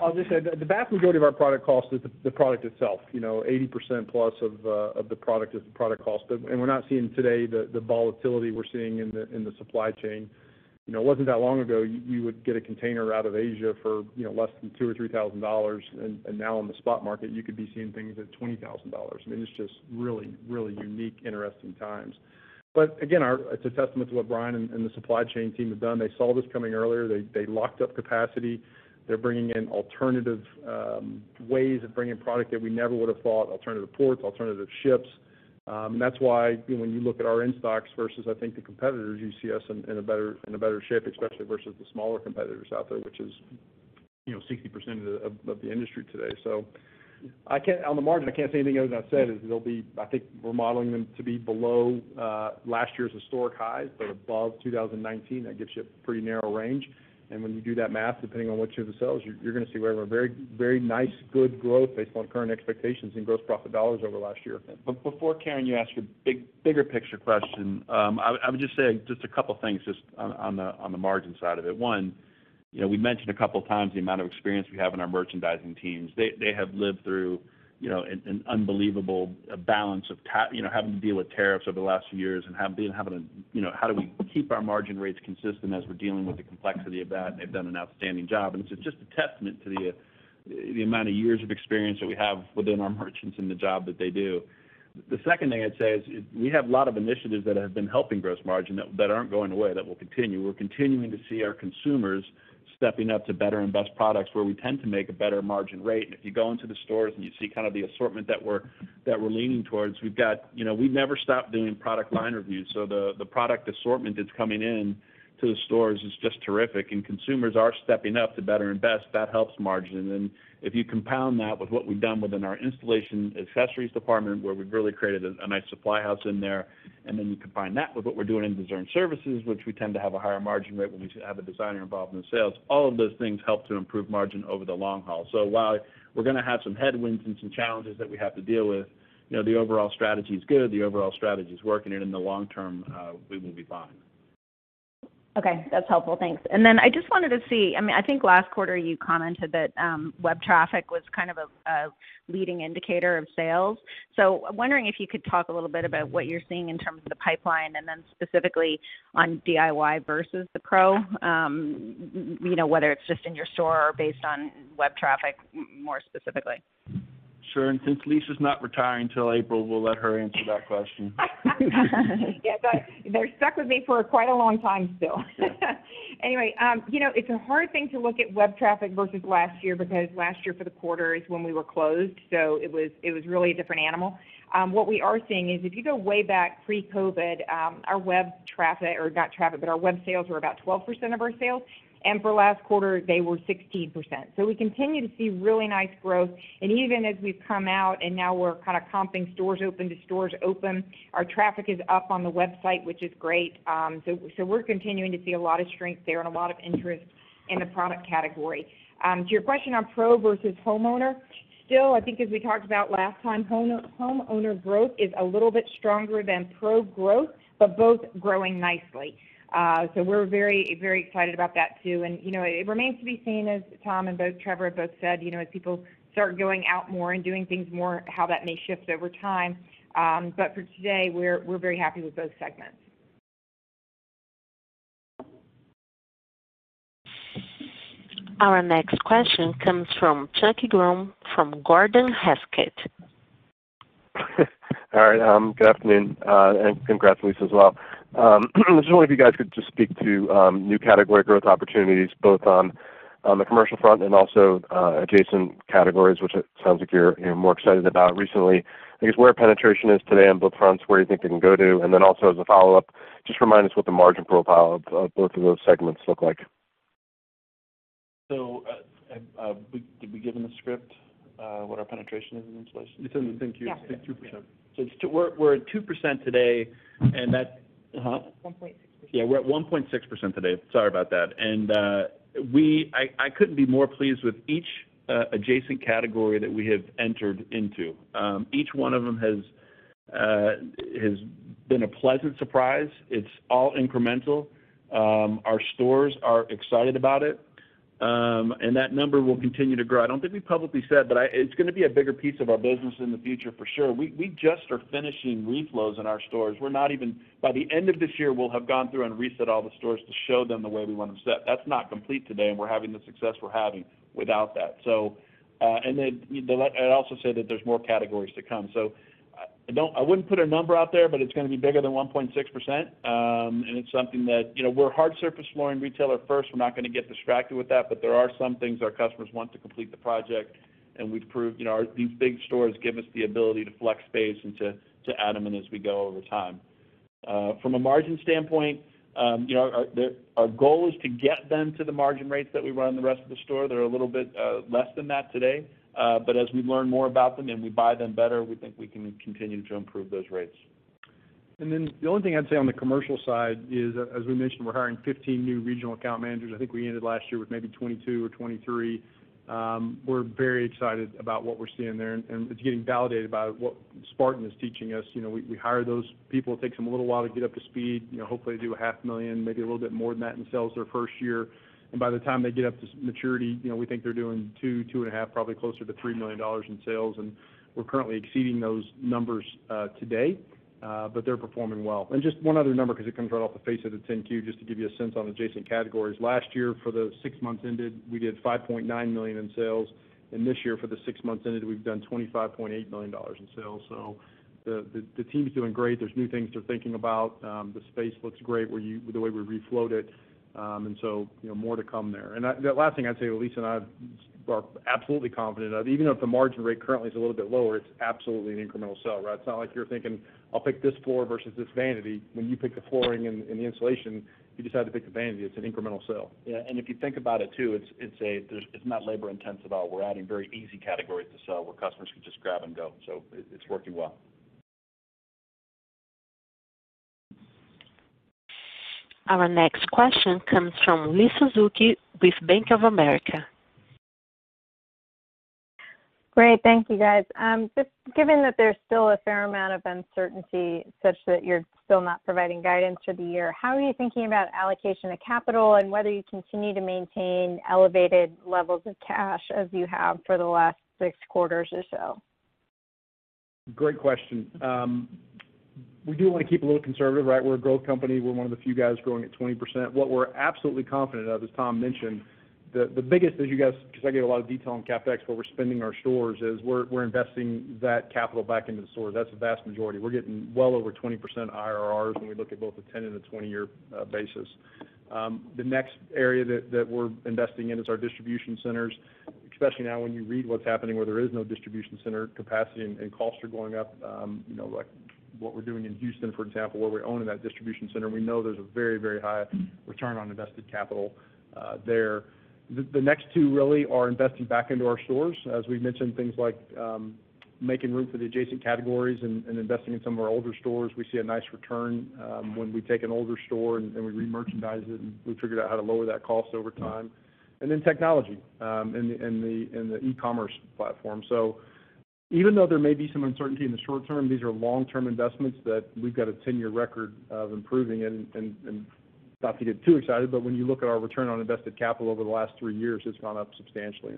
I'll just say the vast majority of our product cost is the product itself. You know, 80%+ of the product is the product cost, and we're not seeing today the volatility we're seeing in the supply chain. You know, it wasn't that long ago you would get a container out of Asia for, you know, less than $2,000 or $3,000 and now on the spot market you could be seeing things at $20,000. I mean, it's just really unique, interesting times. But again, it's a testament to what Brian and the supply chain team have done. They saw this coming earlier. They locked up capacity. They're bringing in alternative ways of bringing product that we never would have thought, alternative ports, alternative ships. That's why when you look at our in-stocks versus, I think, the competitors, you see us in a better shape, especially versus the smaller competitors out there, which is, you know, 60% of the industry today. On the margin, I can't say anything other than I said, is they'll be I think we're modeling them to be below last year's historic highs but above 2019. That gives you a pretty narrow range, and ahen you do that math, depending on which of it sells, you're gonna see whatever, very nice good growth based on current expectations in gross profit dollars over last year. Before, Karen, you ask your bigger picture question, I would just say a couple things on the margin side of it. One, you know, we mentioned a couple times the amount of experience we have in our merchandising teams. They have lived through, you know, an unbelievable balance of, you know, having to deal with tariffs over the last few years and have been having to, you know, how do we keep our margin rates consistent as we're dealing with the complexity of that? They've done an outstanding job. It's just a testament to the amount of years of experience that we have within our merchants and the job that they do. The second thing I'd say is we have a lot of initiatives that have been helping gross margin that aren't going away, that will continue. We're continuing to see our consumers stepping up to better and best products where we tend to make a better margin rate. If you go into the stores and you see kind of the assortment that we're leaning towards, you know, we've never stopped doing product line reviews, so the product assortment that's coming in to the stores is just terrific, and consumers are stepping up to better and best. That helps margin. If you compound that with what we've done within our installation accessories department, where we've really created a nice supply house in there, and then you combine that with what we're doing in design services, which we tend to have a higher margin rate when we have a designer involved in the sales, all of those things help to improve margin over the long haul, so while we're gonna have some headwinds and some challenges that we have to deal with, you know, the overall strategy is good, the overall strategy is working, and in the long term, we will be fine. Okay. That's helpful. Thanks. Then, I just wanted to see I mean, I think last quarter you commented that web traffic was kind of a leading indicator of sales. I'm wondering if you could talk a little bit about what you're seeing in terms of the pipeline and then specifically on DIY versus the Pro, you know, whether it's just in your store or based on web traffic more specifically. Sure. Since Lisa's not retiring till April, we'll let her answer that question. Yeah. They're stuck with me for quite a long time still. You know, it's a hard thing to look at web traffic versus last year because last year for the quarter is when we were closed, so it was really a different animal. What we are seeing is if you go way back pre-COVID, our web traffic, or not traffic, but our web sales were about 12% of our sales, and for last quarter they were 16%, so we continue to see really nice growth, and even as we've come out and now we're kind of comping stores open to stores open, our traffic is up on the website, which is great, so wo we're continuing to see a lot of strength there and a lot of interest in the product category. To your question on pro versus homeowner, still, I think as we talked about last time, homeowner growth is a little bit stronger than pro growth, but both growing nicely, so we're very, very excited about that too. You know, it remains to be seen, as Tom and both Trevor have both said, you know, as people start going out more and doing things more, how that may shift over time, but for today, we're very happy with both segments. Our next question comes from Chuck Grom from Gordon Haskett. Good afternoon, congrats, Lisa, as well. I was wondering if you guys could just speak to new category growth opportunities both on the commercial front and also adjacent categories, which it sounds like you're, you know, more excited about recently. I guess where penetration is today on both fronts, where you think they can go to? Also as a follow-up, just remind us what the margin profile of both of those segments look like. Did we give in the script what our penetration is in those places? It's in the thank you. It's 2%. Yeah. We're at 2% today. 1.6%. Yeah, we're at 1.6% today. Sorry about that. We couldn't be more pleased with each adjacent category that we have entered into. Each one of them has been a pleasant surprise. It's all incremental. Our stores are excited about it, and that number will continue to grow. I don't think we publicly said, it's gonna be a bigger piece of our business in the future for sure. We just are finishing reflows in our stores. By the end of this year, we'll have gone through and reset all the stores to show them the way we want them set. That's not complete today, and we're having the success we're having without that. I'd also say that there's more categories to come. I wouldn't put a number out there, but it's gonna be bigger than 1.6%. It's something that, you know, we're a hard-surface flooring retailer first. We're not gonna get distracted with that, there are some things our customers want to complete the project, and we've proved, you know, these big stores give us the ability to flex space and to add them in as we go over time. From a margin standpoint, you know, our goal is to get them to the margin rates that we run in the rest of the store. They're a little bit less than that today, but as we learn more about them and we buy them better, we think we can continue to improve those rates. The only thing I'd say on the commercial side is, as we mentioned, we're hiring 15 new Regional Account Managers. I think we ended last year with maybe 22 or 23. We're very excited about what we're seeing there, and it's getting validated by what Spartan Surfaces is teaching us. You know, we hire those people. It takes them a little while to get up to speed. You know, hopefully do 500,000, maybe a little bit more than that in sales their first year. By the time they get up to maturity, you know, we think they're doing 2.5, probably closer to $3 million in sales. We're currently exceeding those numbers today, but they're performing well. Just one other number because it comes right off the face of the 10-Q, just to give you a sense on adjacent categories. Last year, for the six months ended, we did $5.9 million in sales. This year, for the six months ended, we've done $25.8 million in sales. The team's doing great. There's new things they're thinking about. The space looks great the way we reflowed it. You know, more to come there. The last thing I'd say, Lisa and I are absolutely confident of, even though if the margin rate currently is a little bit lower, it's absolutely an incremental sell, right? It's not like you're thinking, "I'll pick this floor versus this vanity." When you pick the flooring and the installation materials, you decide to pick the vanity, it's an incremental sell. If you think about it, too, it's not labor-intensive at all. We're adding very easy categories to sell where customers can just grab and go. It, it's working well. Our next question comes from Liz Suzuki with Bank of America. Great. Thank you, guys. Just given that there's still a fair amount of uncertainty such that you're still not providing guidance for the year, how are you thinking about allocation of capital and whether you continue to maintain elevated levels of cash as you have for the last six quarters or so? Great question. We do wanna keep a little conservative, right? We're a growth company. We're one of the few guys growing at 20%. What we're absolutely confident of, as Tom mentioned, the biggest as you guys Because I gave you a lot of detail on CapEx, where we're spending our stores, is we're investing that capital back into the stores. That's the vast majority. We're getting well over 20% IRRs when we look at both the 10 and the 20-year basis. The next area that we're investing in is our distribution centers, especially now when you read what's happening, where there is no distribution center capacity and costs are going up. You know, like what we're doing in Houston, for example, where we own that distribution center, we know there's a very high return on invested capital there. The next two really are investing back into our stores. As we've mentioned, things like making room for the adjacent categories and investing in some of our older stores. We see a nice return when we take an older store and we re-merchandise it, and we've figured out how to lower that cost over time. Technology and the eCommerce platform. Even though there may be some uncertainty in the short term, these are long-term investments that we've got a 10-year record of improving and not to get too excited, but when you look at our return on invested capital over the last three years, it's gone up substantially.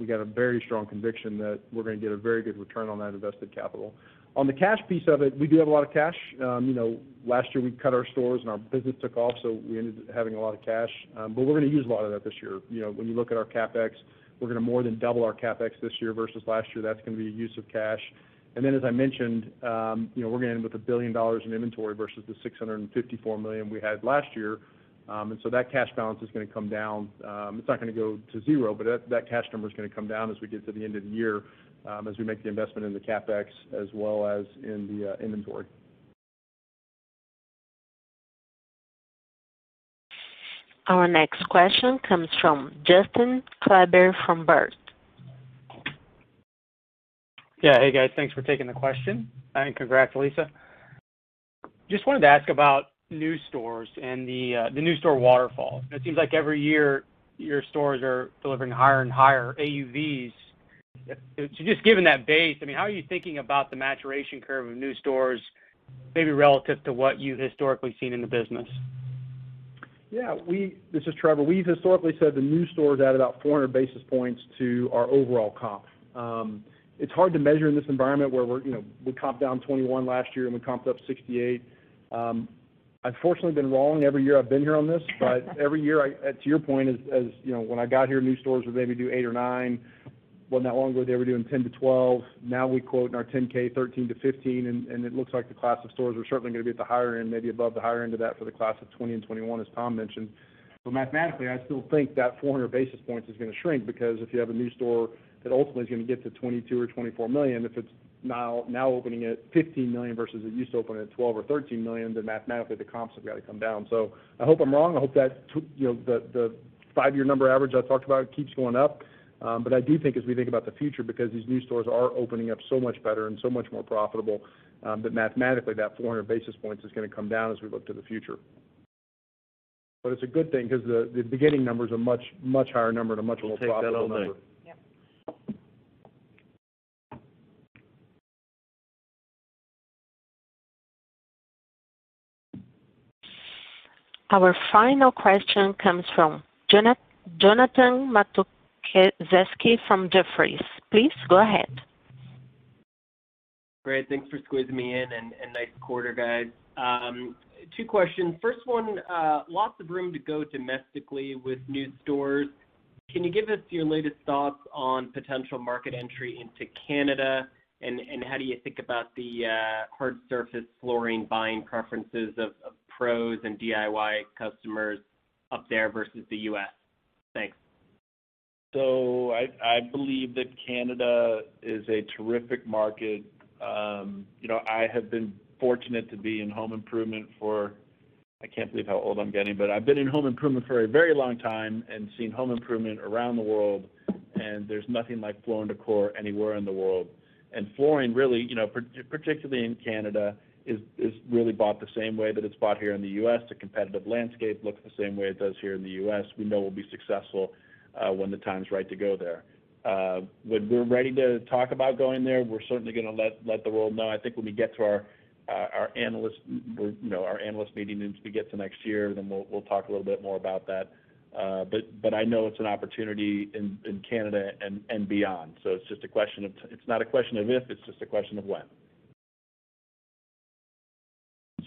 We got a very strong conviction that we're gonna get a very good return on that invested capital. On the cash piece of it, we do have a lot of cash. You know, last year, we cut our stores, and our business took off, so we ended up having a lot of cash, but we're gonna use a lot of that this year. You know, when you look at our CapEx, we're gonna more than double our CapEx this year versus last year. That's gonna be a use of cash, and then as I mentioned, you know, we're gonna end with $1 billion in inventory versus the $654 million we had last year, so that cash balance is gonna come down. It's not gonna go to zero, but that cash number is gonna come down as we get to the end of the year, as we make the investment in the CapEx as well as in the inventory. Our next question comes from Justin Kleber from Baird. Yeah. Hey, guys, thanks for taking the question, and congrats, Lisa. Just wanted to ask about new stores and the new store waterfall. It seems like every year, your stores are delivering higher and higher AUVs. Just given that base, I mean, how are you thinking about the maturation curve of new stores, maybe relative to what you've historically seen in the business? Yeah. This is Trevor. We've historically said the new stores add about 400 basis points to our overall comp. It's hard to measure in this environment where we're, you know, we comped down 21 last year, and we comped up 68. I've fortunately been wrong every year I've been here on this. Every year I to your point, as you know, when I got here, new stores would maybe do 8 or 9. Well, not long ago, they were doing 10-12. Now we quote in our 10-K, 13-15, and it looks like the class of stores are certainly gonna be at the higher end, maybe above the higher end of that for the class of 2021, as Tom mentioned. Mathematically, I still think that 400 basis points is gonna shrink because if you have a new store that ultimately is gonna get to $22 million or $24 million, if it's now opening at $15 million versus it used to open at $12 million or $13 million, mathematically, the comps have got to come down. I hope I'm wrong. I hope that, you know, the five-year number average I talked about keeps going up, but I do think as we think about the future because these new stores are opening up so much better and so much more profitable, that mathematically, that 400 basis points is gonna come down as we look to the future. It's a good thing because the beginning numbers are much, much higher number and a much more profitable number. Our final question comes from Jonathan Matuszewski from Jefferies. Please go ahead. Great. Thanks for squeezing me in, and nice quarter, guys. Two questions. First one, lots of room to go domestically with new stores. Can you give us your latest thoughts on potential market entry into Canada, and how do you think about the hard surface flooring buying preferences of pros and DIY customers up there versus the U.S.? Thanks. I believe that Canada is a terrific market. You know, I have been fortunate to be in home improvement for, I can't believe how old I'm getting, but I've been in home improvement for a very long time and seen home improvement around the world, and there's nothing like Floor & Decor anywhere in the world, and flooring really, you know, particularly in Canada, is really bought the same way that it's bought here in the U.S. The competitive landscape looks the same way it does here in the U.S. We know we'll be successful when the time's right to go there. When we're ready to talk about going there, we're certainly gonna let the world know. I think when we get to our analyst meeting, and as we get to next year, then we'll talk a little bit more about that, but I know it's an opportunity in Canada and beyond. It's not a question of if, it's just a question of when.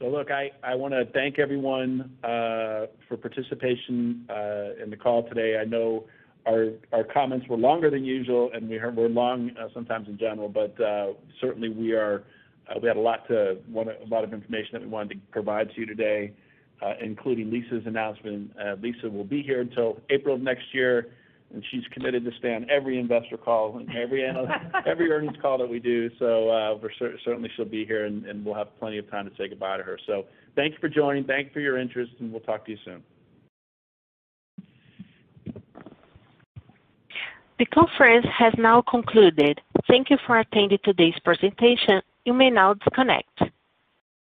Look, I wanna thank everyone for participation in the call today. I know our comments were longer than usual, and we're long sometimes in general, but certainly we are, we had a lot of information that we wanted to provide to you today, including Lisa's announcement. Lisa will be here until April of next year, and she's committed to stay on every investor call and every earnings call that we do, so we're certainly she'll be here, and we'll have plenty of time to say goodbye to her. Thank you for joining. Thank you for your interest, and we'll talk to you soon. The conference has now concluded. Thank you for attending today's presentation. You may now disconnect.